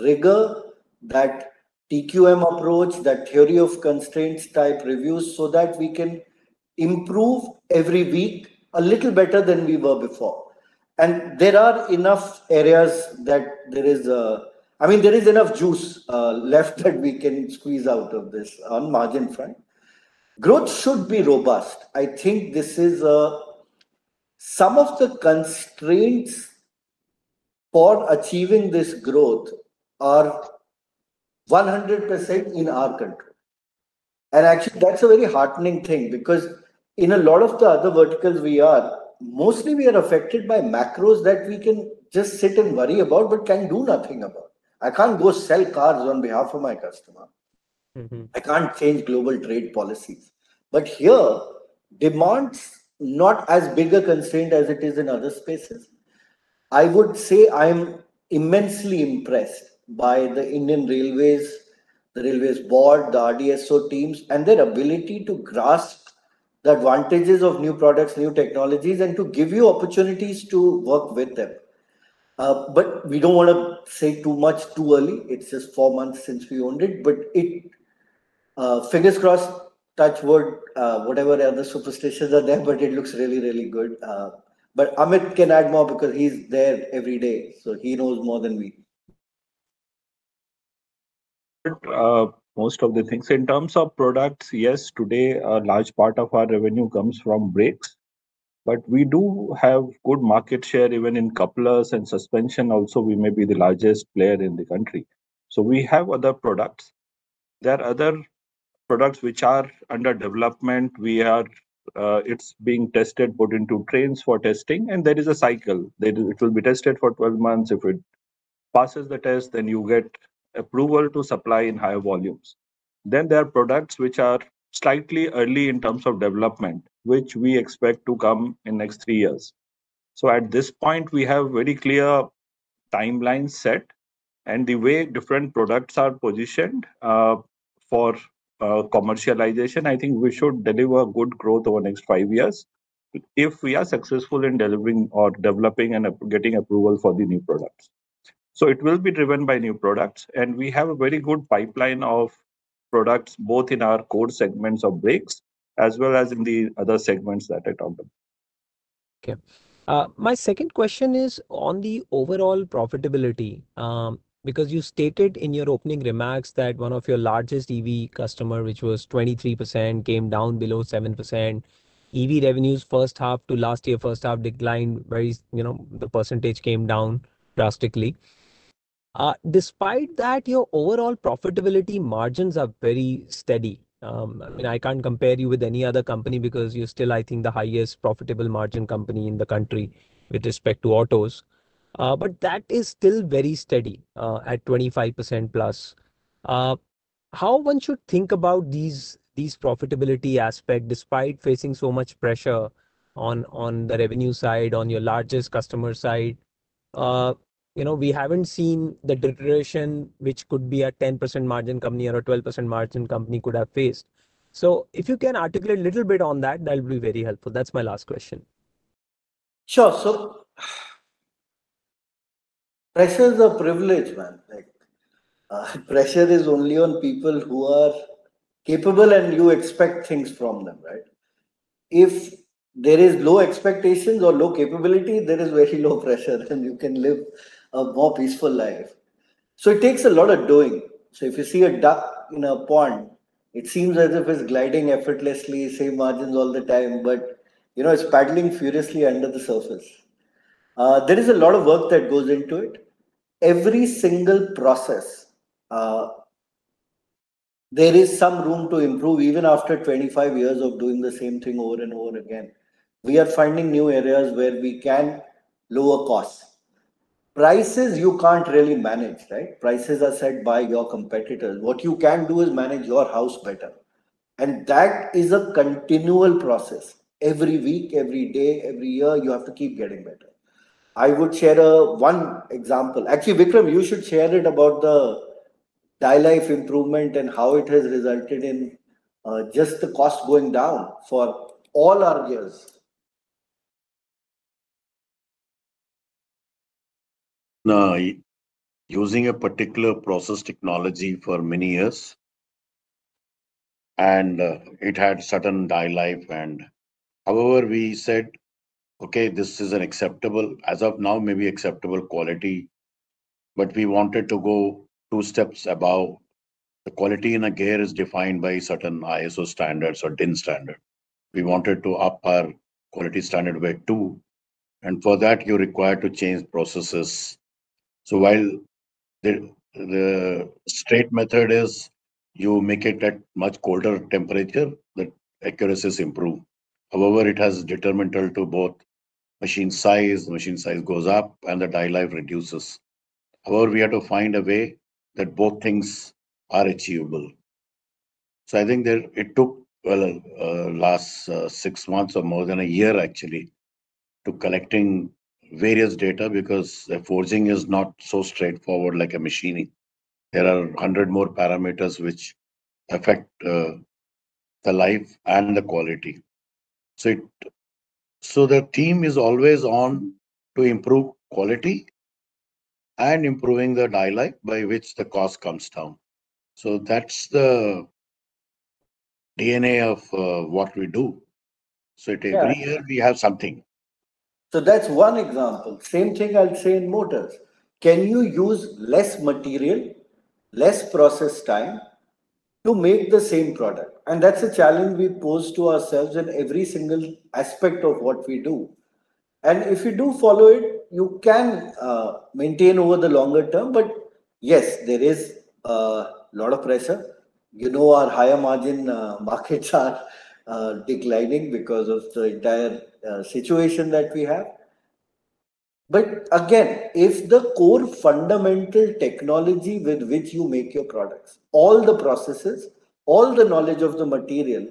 rigor, that TQM approach, that theory of constraints type reviews so that we can improve every week a little better than we were before. There are enough areas that there is, I mean there is enough juice left that we can squeeze out of this. On margin front growth should be robust. I think some of the constraints for achieving this growth are 100% in our control. Actually that's a very heartening thing because in a lot of the other verticals we are mostly, we are affected by macros that we can just sit and worry about but can do nothing about. I can't go sell cars on behalf of my customer. I can't change global trade policies. Here demand's not as big a constraint as it is in other spaces. I would say I'm immensely impressed by the Indian Railways, the Railways Board, the RDSO teams and their ability to grasp the advantages of new products, new technologies and to give you opportunities to work with them. We don't want to say too much too early. It's just four months since we owned it, but it, fingers crossed, touch wood, whatever other superstitions are there. It looks really, really good. Amit can add more because he's there every day. He knows more than we. Most of the things in terms of products, yes, today a large part of our revenue comes from brakes, but we do have good market share even in couplers and suspension. Also, we may be the largest player in the country. We have other products. There are other products which are under development. It's being tested, put into trains for testing, and there is a cycle, it will be tested for 12 months. If it passes the test, then you get approval to supply in higher volumes. There are products which are slightly early in terms of development, which we expect to come in next three years. At this point, we have very clear timeline set and the way different products are positioned for commercialization, I think we should deliver good growth over next five years if we are successful in delivering or developing and getting approval for the new products. It will be driven by new products, and we have a very good pipeline of products both in our core segments of brakes as well as in the other segments that I talked about. Okay, my second question is on the overall profitability because you stated in your opening remarks that one of your largest EV customer, which was 23%, came down below 7% EV revenues first half to last year, first half declined very. The percentage came down drastically. Despite that, your overall profitability margins are very steady. I can't compare you with any other company because you're still, I think, the highest profitable margin company in the country with respect to autos. That is still very steady at 25%+. How one should think about these profitability aspect, despite facing so much pressure on the revenue side, on your largest customer side, we haven't seen the deterioration which could be a 10% margin company or a 12% margin company could have faced. If you can articulate a little bit on that, that will be very helpful. That's my last question. Sure. So. Pressure is a privilege. Pressure is only on people who are capable, and you expect things from them. Right. If there is low expectations or low capability, there is very low pressure and you can live a more peaceful life. It takes a lot of doing. If you see a duck in a pond, it seems as if it's gliding effortlessly. Same margins all the time, but it's paddling furiously under the surface. There is a lot of work that goes into it. Every single process there is some room to improve. Even after 25 years of doing the same thing over and over again, we are finding new areas where we can lower costs. Prices you can't really manage. Prices are set by your competitors. What you can do is manage your house better. That is a continual process. Every week, every day, every year, you have to keep getting better. I would share one example actually, Vikram, you should share it. About the die life improvement and how it has resulted in just the cost going down for all our years. Now, using a particular process technology for many years and it had certain die life. However, we said, okay, this is an acceptable, as of now, maybe acceptable quality. We wanted to go two steps above. The quality in a gear is defined by certain ISO standards or DIN standard. We wanted to up our quality standard way too. For that you require to change processes. While the straight method is you make it at much colder temperature, the accuracies improve. However, it has determined to both machine size. Machine size goes up and the die life reduces. We have to find a way that both things are achievable. I think it took last six months or more than a year actually to collecting various data because forging is not so straightforward like machining. There are hundred more parameters which affect the life and the quality. The theme is always on to improve quality and improving the die life by which the cost comes down. That's the DNA of what we do. Every year we have something. That's one example, same thing, I'll train motors. Can you use less material, less process time to make the same product? That's a challenge we pose to ourselves in every single aspect of what we do. If you do follow it, you can maintain over the longer term. Yes, there is a lot of pressure. You know, our higher margin markets are declining because of the entire situation that we have. Again, if the core fundamental technology with which you make your products, all the processes, all the knowledge of the material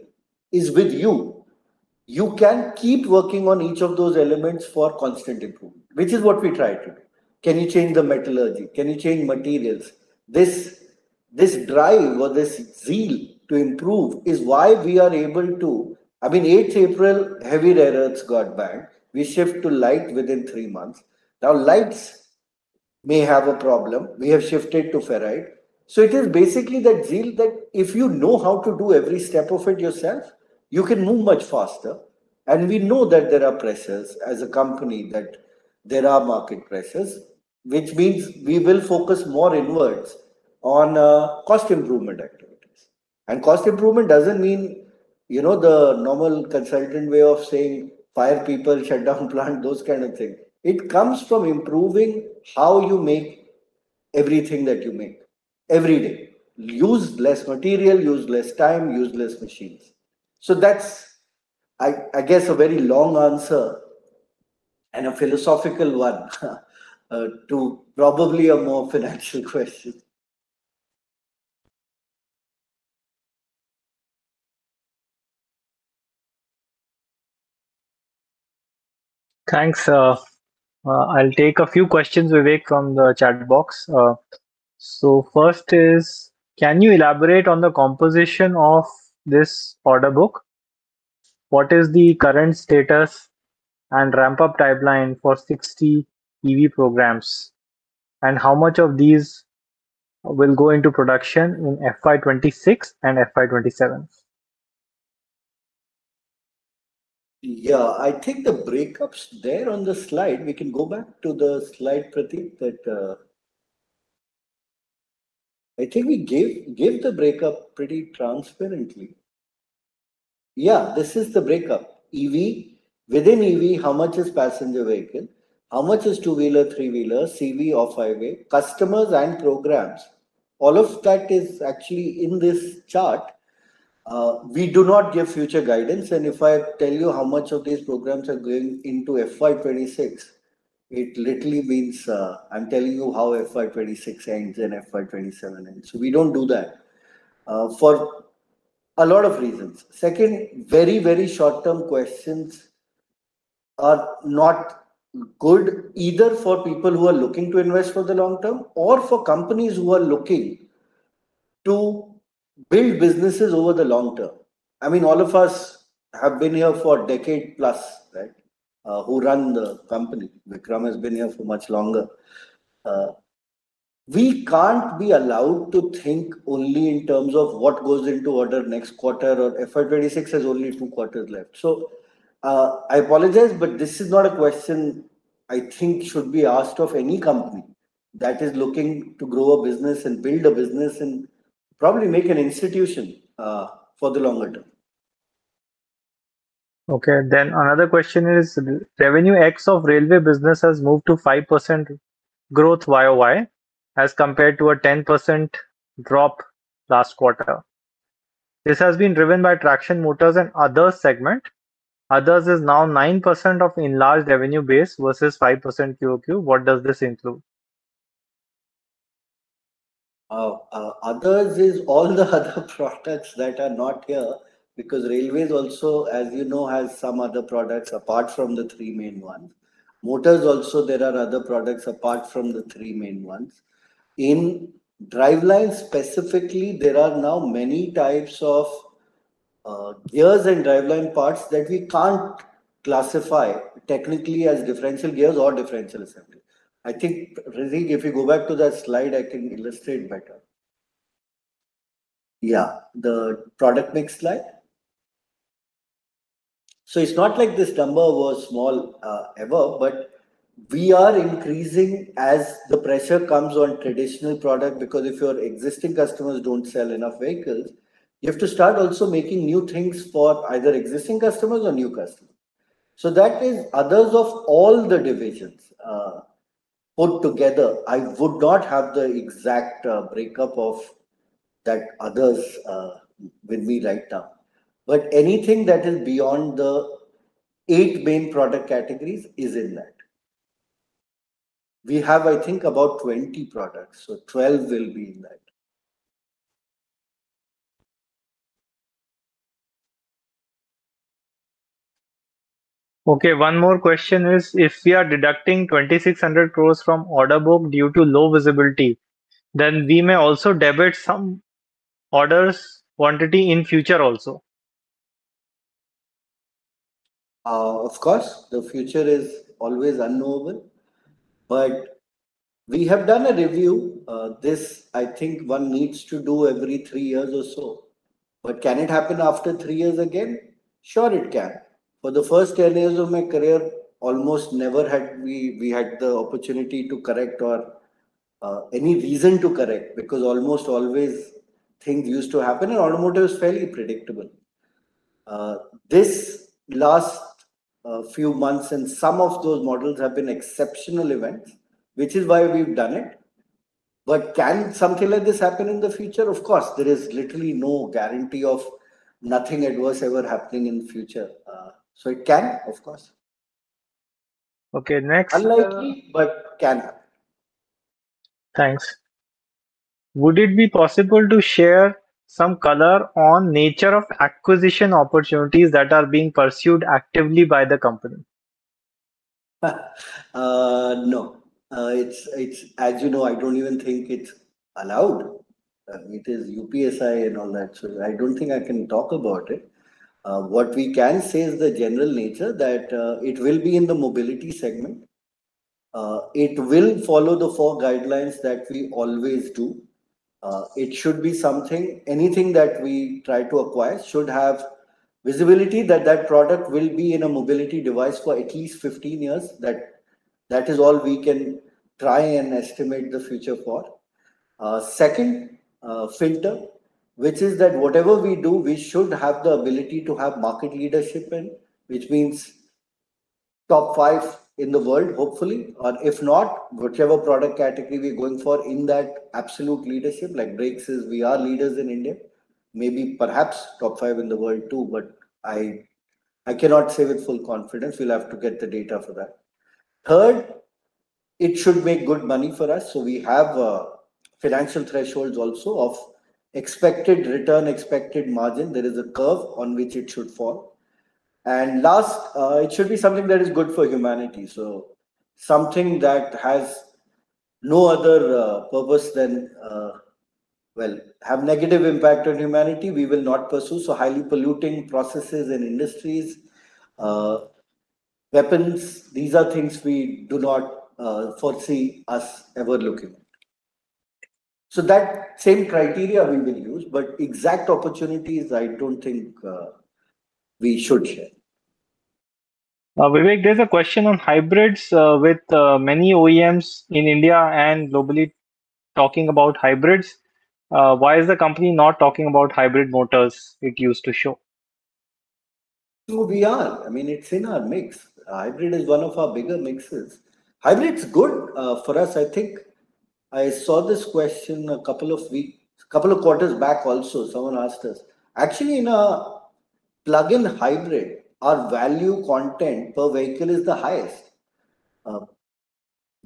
is with you, you can keep working on each of those elements for constant improvement, which is what we try to do. Can you change the metallurgy? Can you change materials? This drive or this zeal to improve is why we are able to. I mean, the 8th of April, heavy rare earths got banned. We shift to light within three months. Now lights may have a problem. We have shifted to ferrite. It is basically that zeal that if you know how to do every step of it yourself, you can move much faster. We know that there are pressures as a company, that there are market pressures, which means we will focus more inwards on cost improvement activities. Cost improvement doesn't mean, you know, the normal consultant way of saying fire people, shut down, plant, those kind of things. It comes from improving how you make everything that you make every day, use less material, use less time, use less machines. I guess that's a very long answer and a philosophical one to probably a more financial question. Thanks. I'll take a few questions, Vivek, from the chat box. First, can you elaborate on the composition of this order book? What is the current status and ramp up timeline for 60 EV programs, and how much of these will go into production in FY 2026 and FY 2027? Yeah, I think the breakups are there on the slide. We can go back to the slide, Pratik, that I think gave the breakup pretty transparently. Yeah, this is the breakup, EV within EV. How much is passenger vehicle, how much is two wheeler, three wheeler, CV, or five-way customers and programs. All of that is actually in this chart. We do not give future guidance. If I tell you how much of these programs are going into FY 2026, it literally means I'm telling you how FY 2026 ends and FY 2027. We don't do that for a lot of reasons. Very, very short-term questions are not good either for people who are looking to invest for the long term or for companies who are looking to build businesses over the long term. I mean, all of us have been here for decade plus, right, who run the company. Vikram has been here for much longer. We can't be allowed to think only in terms of what goes into order next quarter or FY 2026 has only two quarters left. I apologize, but this is not a question I think should be asked of any company that is looking to grow a business and build a business and probably make an institution for the longer term. Okay, then another question is revenue X of Railway Business has moved to 5% growth YoY as compared to a 10% drop last quarter. This has been driven by traction motors and other segment. Others is now 9% of enlarged revenue base versus 5% QoQ. What does this include? Others is all the other products that are not here because railways also, as you know, has some other products apart from the three main ones, motors. Also, there are other products apart from the three main ones. In driveline specifically, there are now many types of gears and driveline parts that we can't classify technically as differential gears or differential assembly. If you go back to that slide, I can illustrate better. Yeah, the product mix slide. It's not like this number was small ever. We are increasing as the pressure comes on traditional product because if your existing customers don't sell enough vehicles, you have to start also making new things for either existing customers or new customers. That is others. Of all the divisions put together, I would not have the exact breakup of that others with me right now, but anything that is beyond the eight main product categories is in that. We have, I think, about 20 products, so 12 will be in that. Okay, one more question is if we are deducting 2,600 crore from order book due to low visibility, then we may also debit some orders quantity in future also. Of course the future is always unknowable. We have done a review. This, I think, one needs to do every three years or so. Can it happen after three years again? Sure, it can. For the first 10 years of my career, almost never had we had the opportunity to correct or any reason to correct because almost always things used to happen. Automotive is fairly predictable. These last few months and some of those models have been exceptional events, which is why we've done it. Can something like this happen in the future? Of course, there is literally no guarantee of nothing adverse ever happening in the future. It can, of course. Okay, next. Unlikely, but can happen. Thanks. Would it be possible to share some color on nature of acquisition opportunities that are being pursued actively by the company? No, it's. As you know, I don't even think it's allowed. It is UPSI and all that. I don't think I can talk about it. What we can say is the general nature that it will be in the mobility segment. It will follow the four guidelines that we always do. It should be something, anything that we try to acquire should have visibility that that product will be in a mobility device for at least 15 years. That is all we can try and estimate the future for. Second filter, which is that whatever we do, we should have the ability to have market leadership in, which means top five in the world, hopefully. If not, whichever product category we're going for, in that, absolute leadership like brakes is we are leaders in India, maybe perhaps top five in the world too. I cannot say with full confidence. We'll have to get the data for that. Third, it should make good money for us. We have financial thresholds also of expected return, expected margin. There is a curve on which it should fall. Last, it should be something that is good for humanity. Something that has no other purpose than, well, have negative impact on humanity, we will not pursue. Highly polluting processes and industries, weapons, these are things we do not foresee us ever looking at. That same criteria we will use, but exact opportunities, I don't think we should share. Vivek, there's a question on hybrids. With many OEMs in India and globally talking about hybrids, why is the company not talking about hybrid motors? It used to show we are. It's in our mix. Hybrid is one of our bigger mixes. Hybrid's good for us. I think I saw this question a couple of quarters back also. Someone asked us, actually, in a plug-in hybrid, our value content per vehicle is the highest.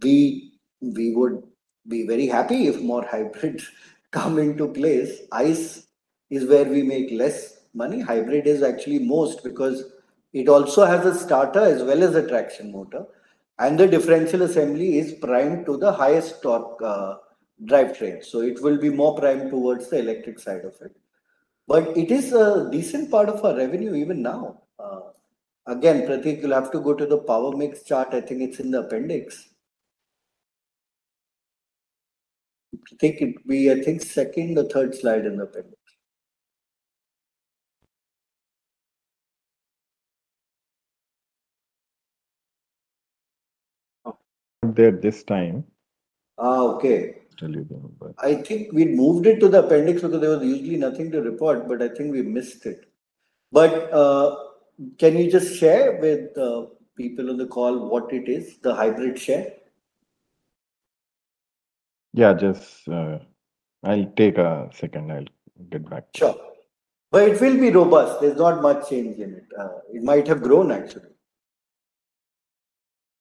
We would be very happy if more hybrids come into place. ICE is where we make less money. Hybrid is actually most because it also has a starter as well as a traction motor, and the differential assembly is primed to the highest torque drivetrain. It will be more prime towards the electric side of it. It is a decent part of our revenue even now. Pratik, you'll have to go to the power mix chart. I think it's in the appendix. I think it is the second or third slide in the appendix. There this time. Okay. I think we moved it to the appendix because there was usually nothing to report. I think we missed it. Can you just share with people on the call what it is, the hybrid share? I'll take a second, I'll get back. Sure. It will be robust. There's not much change in it. It might have grown, actually.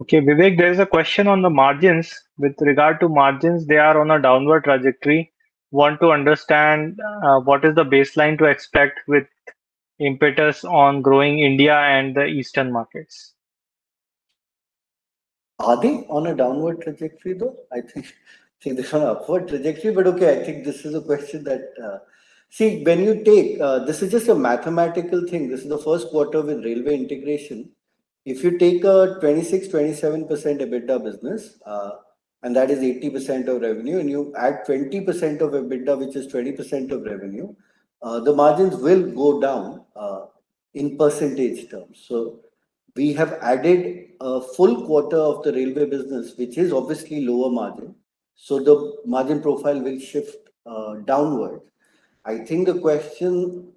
Okay. Vivek, there's a question on the margins. With regard to margins, they are on a downward trajectory. Want to understand what is the baseline to expect with impetus on growing India and the eastern markets. Are they on a downward trajectory though? I think this is on upward trajectory. Okay, I think this is a question that, see, when you take, this is just a mathematical thing. This is the first quarter with railway integration. If you take a 26%, 27% EBITDA business and that is 80% of revenue, and you add 20% of EBITDA, which is 20% of revenue, the margins will go down in percentage terms. We have added a full quarter of the railway business, which is obviously lower margin. The margin profile will shift downward. I think the question,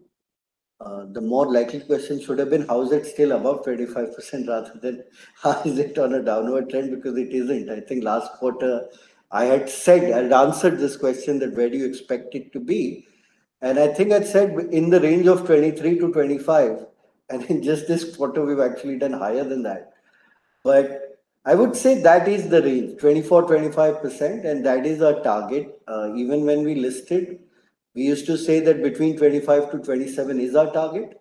the more likely question should have been how is it still above 25% rather than how is it on a downward trend because it isn't. I think last quarter I had said, I had answered this question that where do you expect it to be? I think I said in the range of 23%-25% and in just this quarter we've actually done higher than that. I would say that is the range, 24%, 25% and that is our target. Even when we listed we used to say that between 25% to 27% is our target.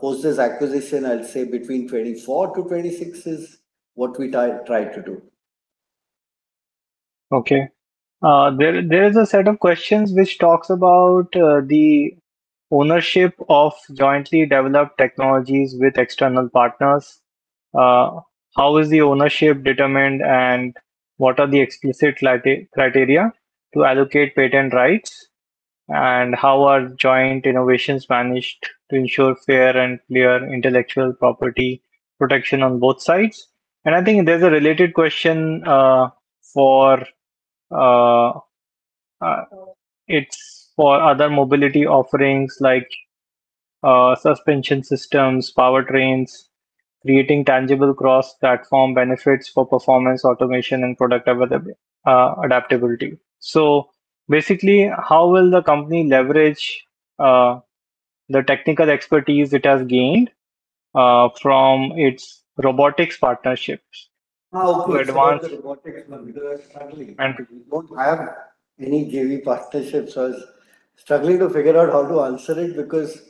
Post this acquisition, I'll say between 24% to 26% is what we try to do. Okay. There is a set of questions which talks about the ownership of jointly developed technologies with external partners. How is the ownership determined, and what are the explicit criteria to allocate patent rights? How are joint innovations managed to ensure fair and clear intellectual property protection on both sides? I think there's a related question for other mobility offerings like suspension systems, powertrains, creating tangible cross platform benefits for performance automation and product adaptability. Basically, how will the company leverage the technical expertise it has gained from its robotics partnerships? Don't have any JV partnerships. I was struggling to figure out how to answer it because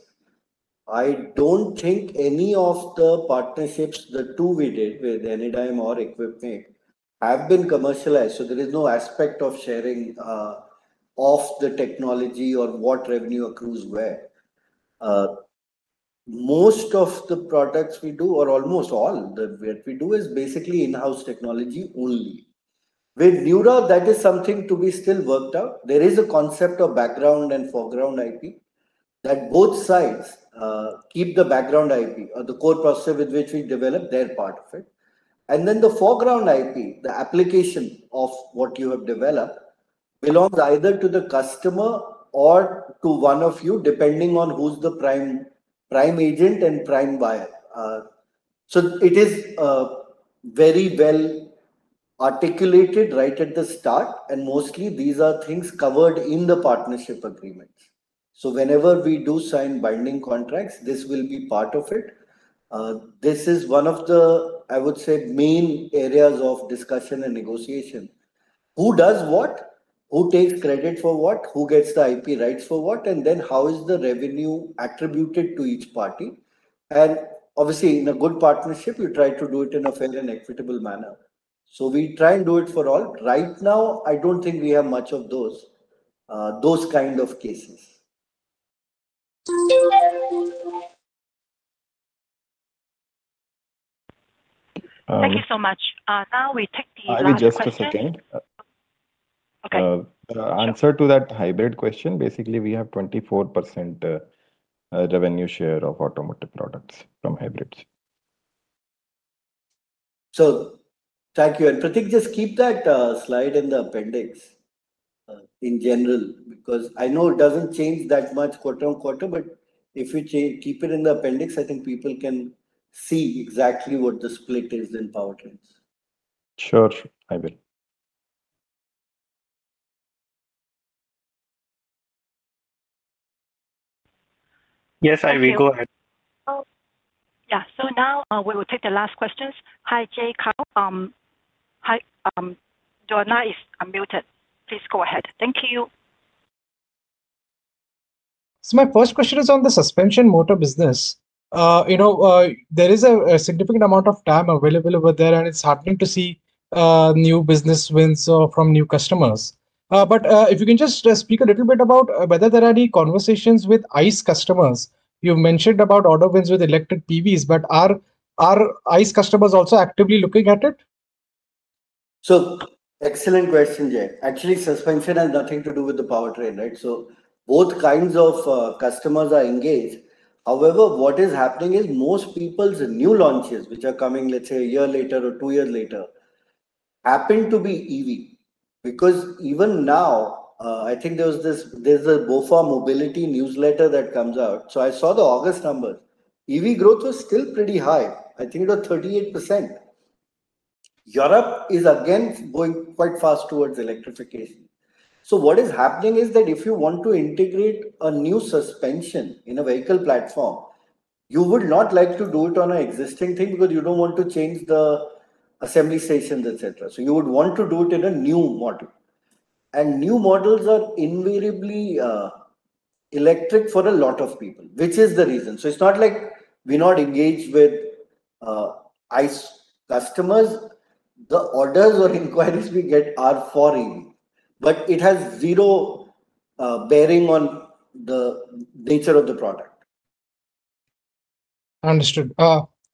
I don't think any of the partnerships, the two we did with any dime or equipment, have been commercialized. There is no aspect of sharing of the technology or what revenue accrues where. Most of the products we do or almost all that we do is basically in-house technology. Only with Neura Robotics that is something to be still worked out. There is a concept of background and foreground IP that both sides keep the background IP or the core processor with which we develop their part of it. The foreground IP, the application of what you have developed, belongs either to the customer or to one of you depending on who's the prime agent and prime buyer. It is very well articulated right at the start. Mostly these are things covered in the partnership agreements. Whenever we do sign binding contracts, this will be part of it. This is one of the main areas of discussion and negotiation: who does what, who takes credit for what, who gets the IP rights for what, and then how is the revenue attributed to each party. Obviously, in a good partnership you try to do it in a fair and equitable manner. We try and do it for all. Right now I don't think we have much of those, those kind of. Thank you so much. Now we take the— Just a second. Answer to that hybrid question. Basically, we have 24% revenue share of. Automotive products from Hybrids. Thank you. Praveen, just keep that slide in the appendix in general because I know it doesn't change that much quarter on quarter, but if you keep it in the appendix, I think people can see exactly what the split is in powertrains. Sure, I will. Yes, I will. Go ahead. Yeah, now we will take the last questions. Hi, Jay Kale. Hi. Joanna is unmuted. Please go ahead. Thank you. My first question is on the suspension motor business. There is a significant amount of time available over there, and it's happening to see new business wins from new customers. If you can just speak a little bit about whether there are any conversations with ICE customers. You mentioned about order wins with electric PVs, but are ICE customers also actively looking at it? Excellent question, Jay. Actually, suspension has nothing to do with the powertrain. Right. Both kinds of customers are engaged. However, what is happening is most people's new launches, which are coming, let's say a year later or two years later, happen to be EV, because even now I think there was this, there's a BofA Mobility newsletter that comes out. I saw the August numbers. EV growth was still pretty high. I think it was 38%. Europe is again going quite fast towards electrification. What is happening is that if you want to integrate a new suspension in a vehicle platform, you would not like to do it on an existing thing because you don't want to change the assembly stations, etc., so you would want to do it in a new model. New models are invariably electric for a lot of people, which is the reason. It's not like we're not engaged with ICE customers. The orders or inquiries we get are for ICE, but it has zero bearing on the nature of the product. Understood.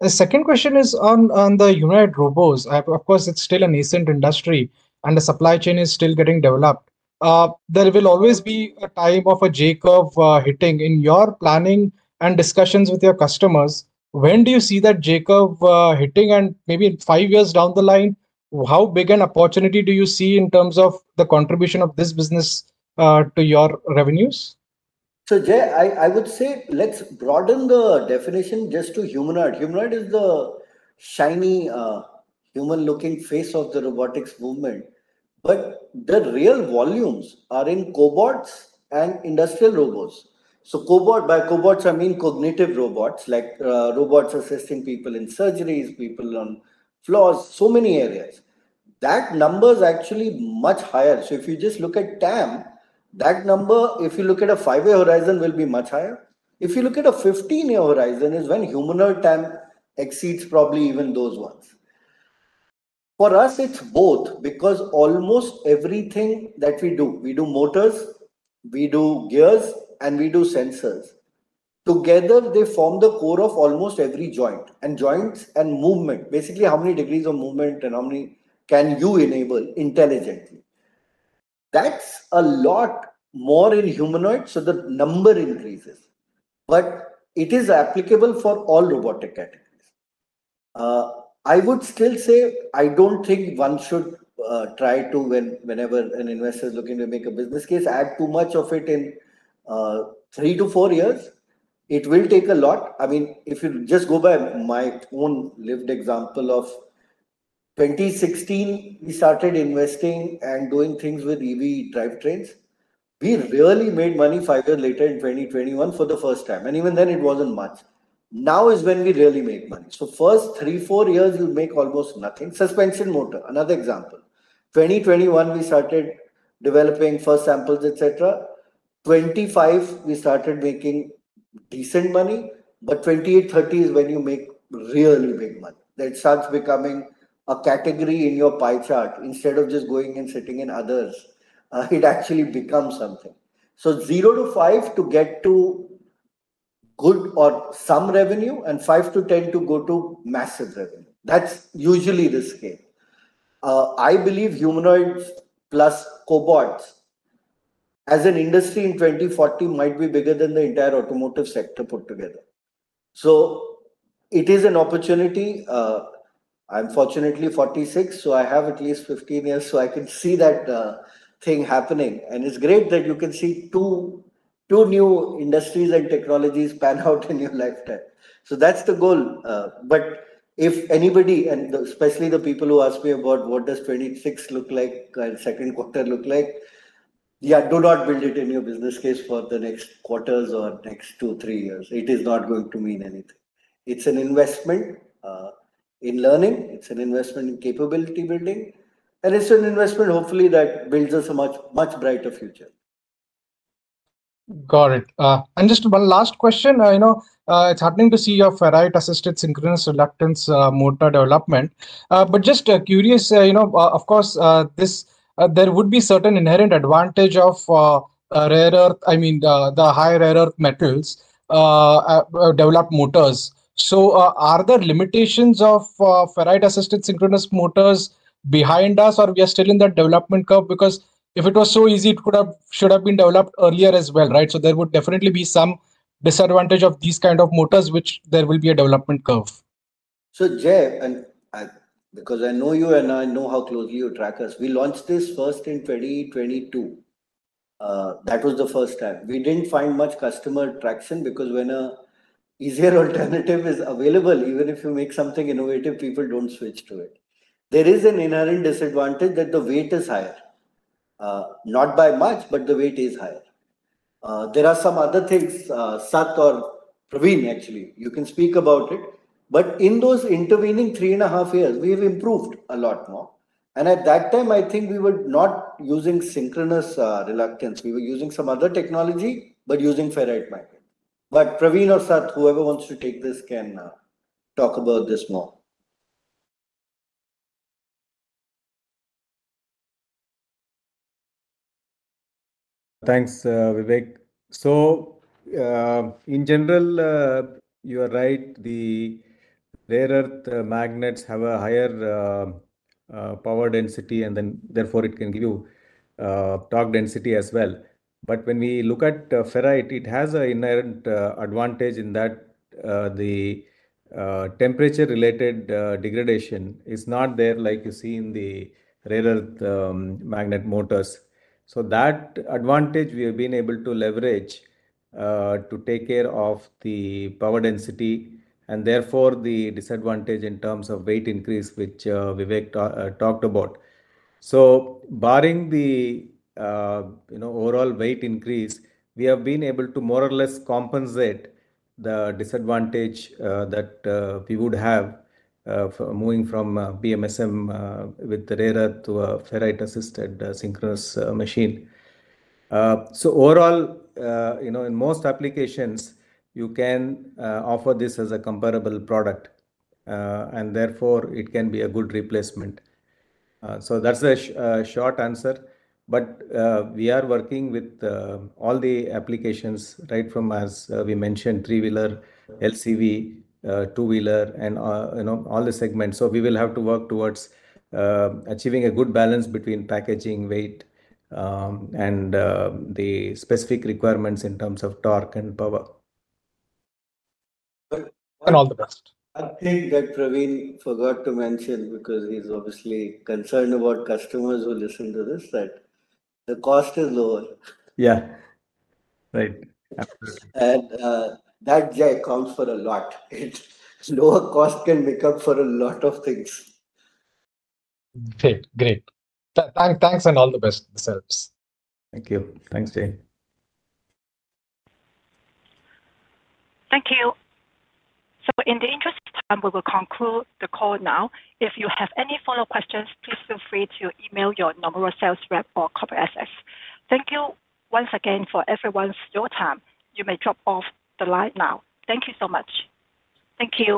The second question is on the NEURA Robotics. Of course, it's still a nascent industry and the supply chain is still getting developed. There will always be a time of a J curve hitting in your planning and discussions with your customers. When do you see that J curve hitting? Maybe five years down the line, how big an opportunity do you see in terms of the contribution of this business to your revenues? I would say let's broaden the definition just to humanoid. Humanoid is the shiny human-looking face of the robotics movement, but the real volumes are in cobots and industrial robots. By cobots, I mean cognitive robots, like robots assisting people in surgeries, people on floors, so many areas. That number is actually much higher. If you just look at TAM, that number, if you look at a five-year horizon, will be much higher. If you look at a 15-year horizon is when humanoid TAM exceeds probably even those ones. For us, it's both because almost everything that we do, we do motors, we do gears, and we do sensors. Together they form the core of almost every joint and joints and movement. Basically, how many degrees of movement and how many can you enable intelligently? That's a lot more in humanoid, so the number increases, but it is applicable for all robotic categories. I would still say I don't think one should try to, whenever an investor is looking to make a business case, add too much of it in three to four years. It will take a lot. If you just go by my own lived example of 2016, we started investing and doing things with EV drivetrains. We really made money five years later in 2021 for the first time, and even then it wasn't much. Now is when we really made money. First three, four years you make almost nothing. Suspension motor, another example, 2021 we started developing first samples, etc. 2025 we started making decent money, but 2028-2030 is when you make really big money. That starts becoming a category in your pie chart. Instead of just going and sitting in others, it actually becomes something. Zero to five to get to good or some revenue, and five to ten to go to massive revenue. That's usually the scale. I believe humanoids plus cobots as an industry in 2040 might be bigger than the entire automotive sector put together. It is an opportunity. I'm fortunately 46, so I have at least 15 years. I can see that thing happening, and it's great that you can see two new industries and technologies pan out in your lifetime. That's the goal. If anybody, and especially the people who ask me about what does 2026 look like, second quarter look like, do not build it in your business case for the next quarters or next two, three years. It is not going to mean anything. It's an investment in learning, it's an investment in capability building, and it's an investment hopefully that builds us a much, much brighter future. Got it. Just one last question. It's happening to see your ferrite-assisted synchronous reluctance motor development. Just curious, you know, of course there would be certain inherent advantage of rare earth. I mean the higher rare earth metals developed motors. Are there limitations of ferrite-assisted synchronous motors behind us, or are we still in the development curve? Because if it was so easy, it should have been developed earlier as well, right? There would definitely be some disadvantage of these kind of motors, which there will be a development curve. Jay, because I know you and I know how closely you track us, we launched this first in 2022. That was the first time we didn't find much customer traction because when an easier alternative is available, even if you make something innovative, people don't switch to it. There is an inherent disadvantage that the weight is higher, not by much, but the weight is higher. There are some other things. Sat or Praveen, actually you can speak about it, but in those intervening three and a half years we have improved a lot more. At that time I think we were not using synchronous reluctance, we were using some other technology but using ferrite migrant. Praveen or Sat, whoever wants to take this can now talk about this more. Thanks, Vivek. In general, you are right. The rare earth magnets have a higher power density, and therefore it can give you torque density as well. When we look at ferrite, it has an inherent advantage in that the temperature-related degradation is not there like you see in the rare earth magnet motors. That advantage we have been able to leverage to take care of the power density and therefore the disadvantage in terms of weight increase, which Vivek talked about. Barring the overall weight increase, we have been able to more or less compensate the disadvantage that we would have moving from BMSM with the rare earth to a ferrite-assisted synchronous machine. Overall, in most applications you can offer this as a comparable product, and therefore it can be a good replacement. That's a short answer, but we are working with all the applications right from, as we mentioned, three wheeler, LCV, two wheeler, and all the segments. We will have to work towards achieving a good balance between packaging, weight, and the specific requirements in terms of torque and power. All the best. I think that Praveen forgot to mention, because he's obviously concerned about customers who listen to this, that the cost is lower. Yeah, right. J counts for a lot. Lower cost can make up for a lot of things. Great, great. Thanks, and all the best. Thank you. Thanks, Jay. Thank you. In the interest of time, we will conclude the call now. If you have any follow-up questions, please feel free to email your Nomura sales representative. Thank you once again for everyone's time. You may drop off the line now. Thank you so much. Thank you.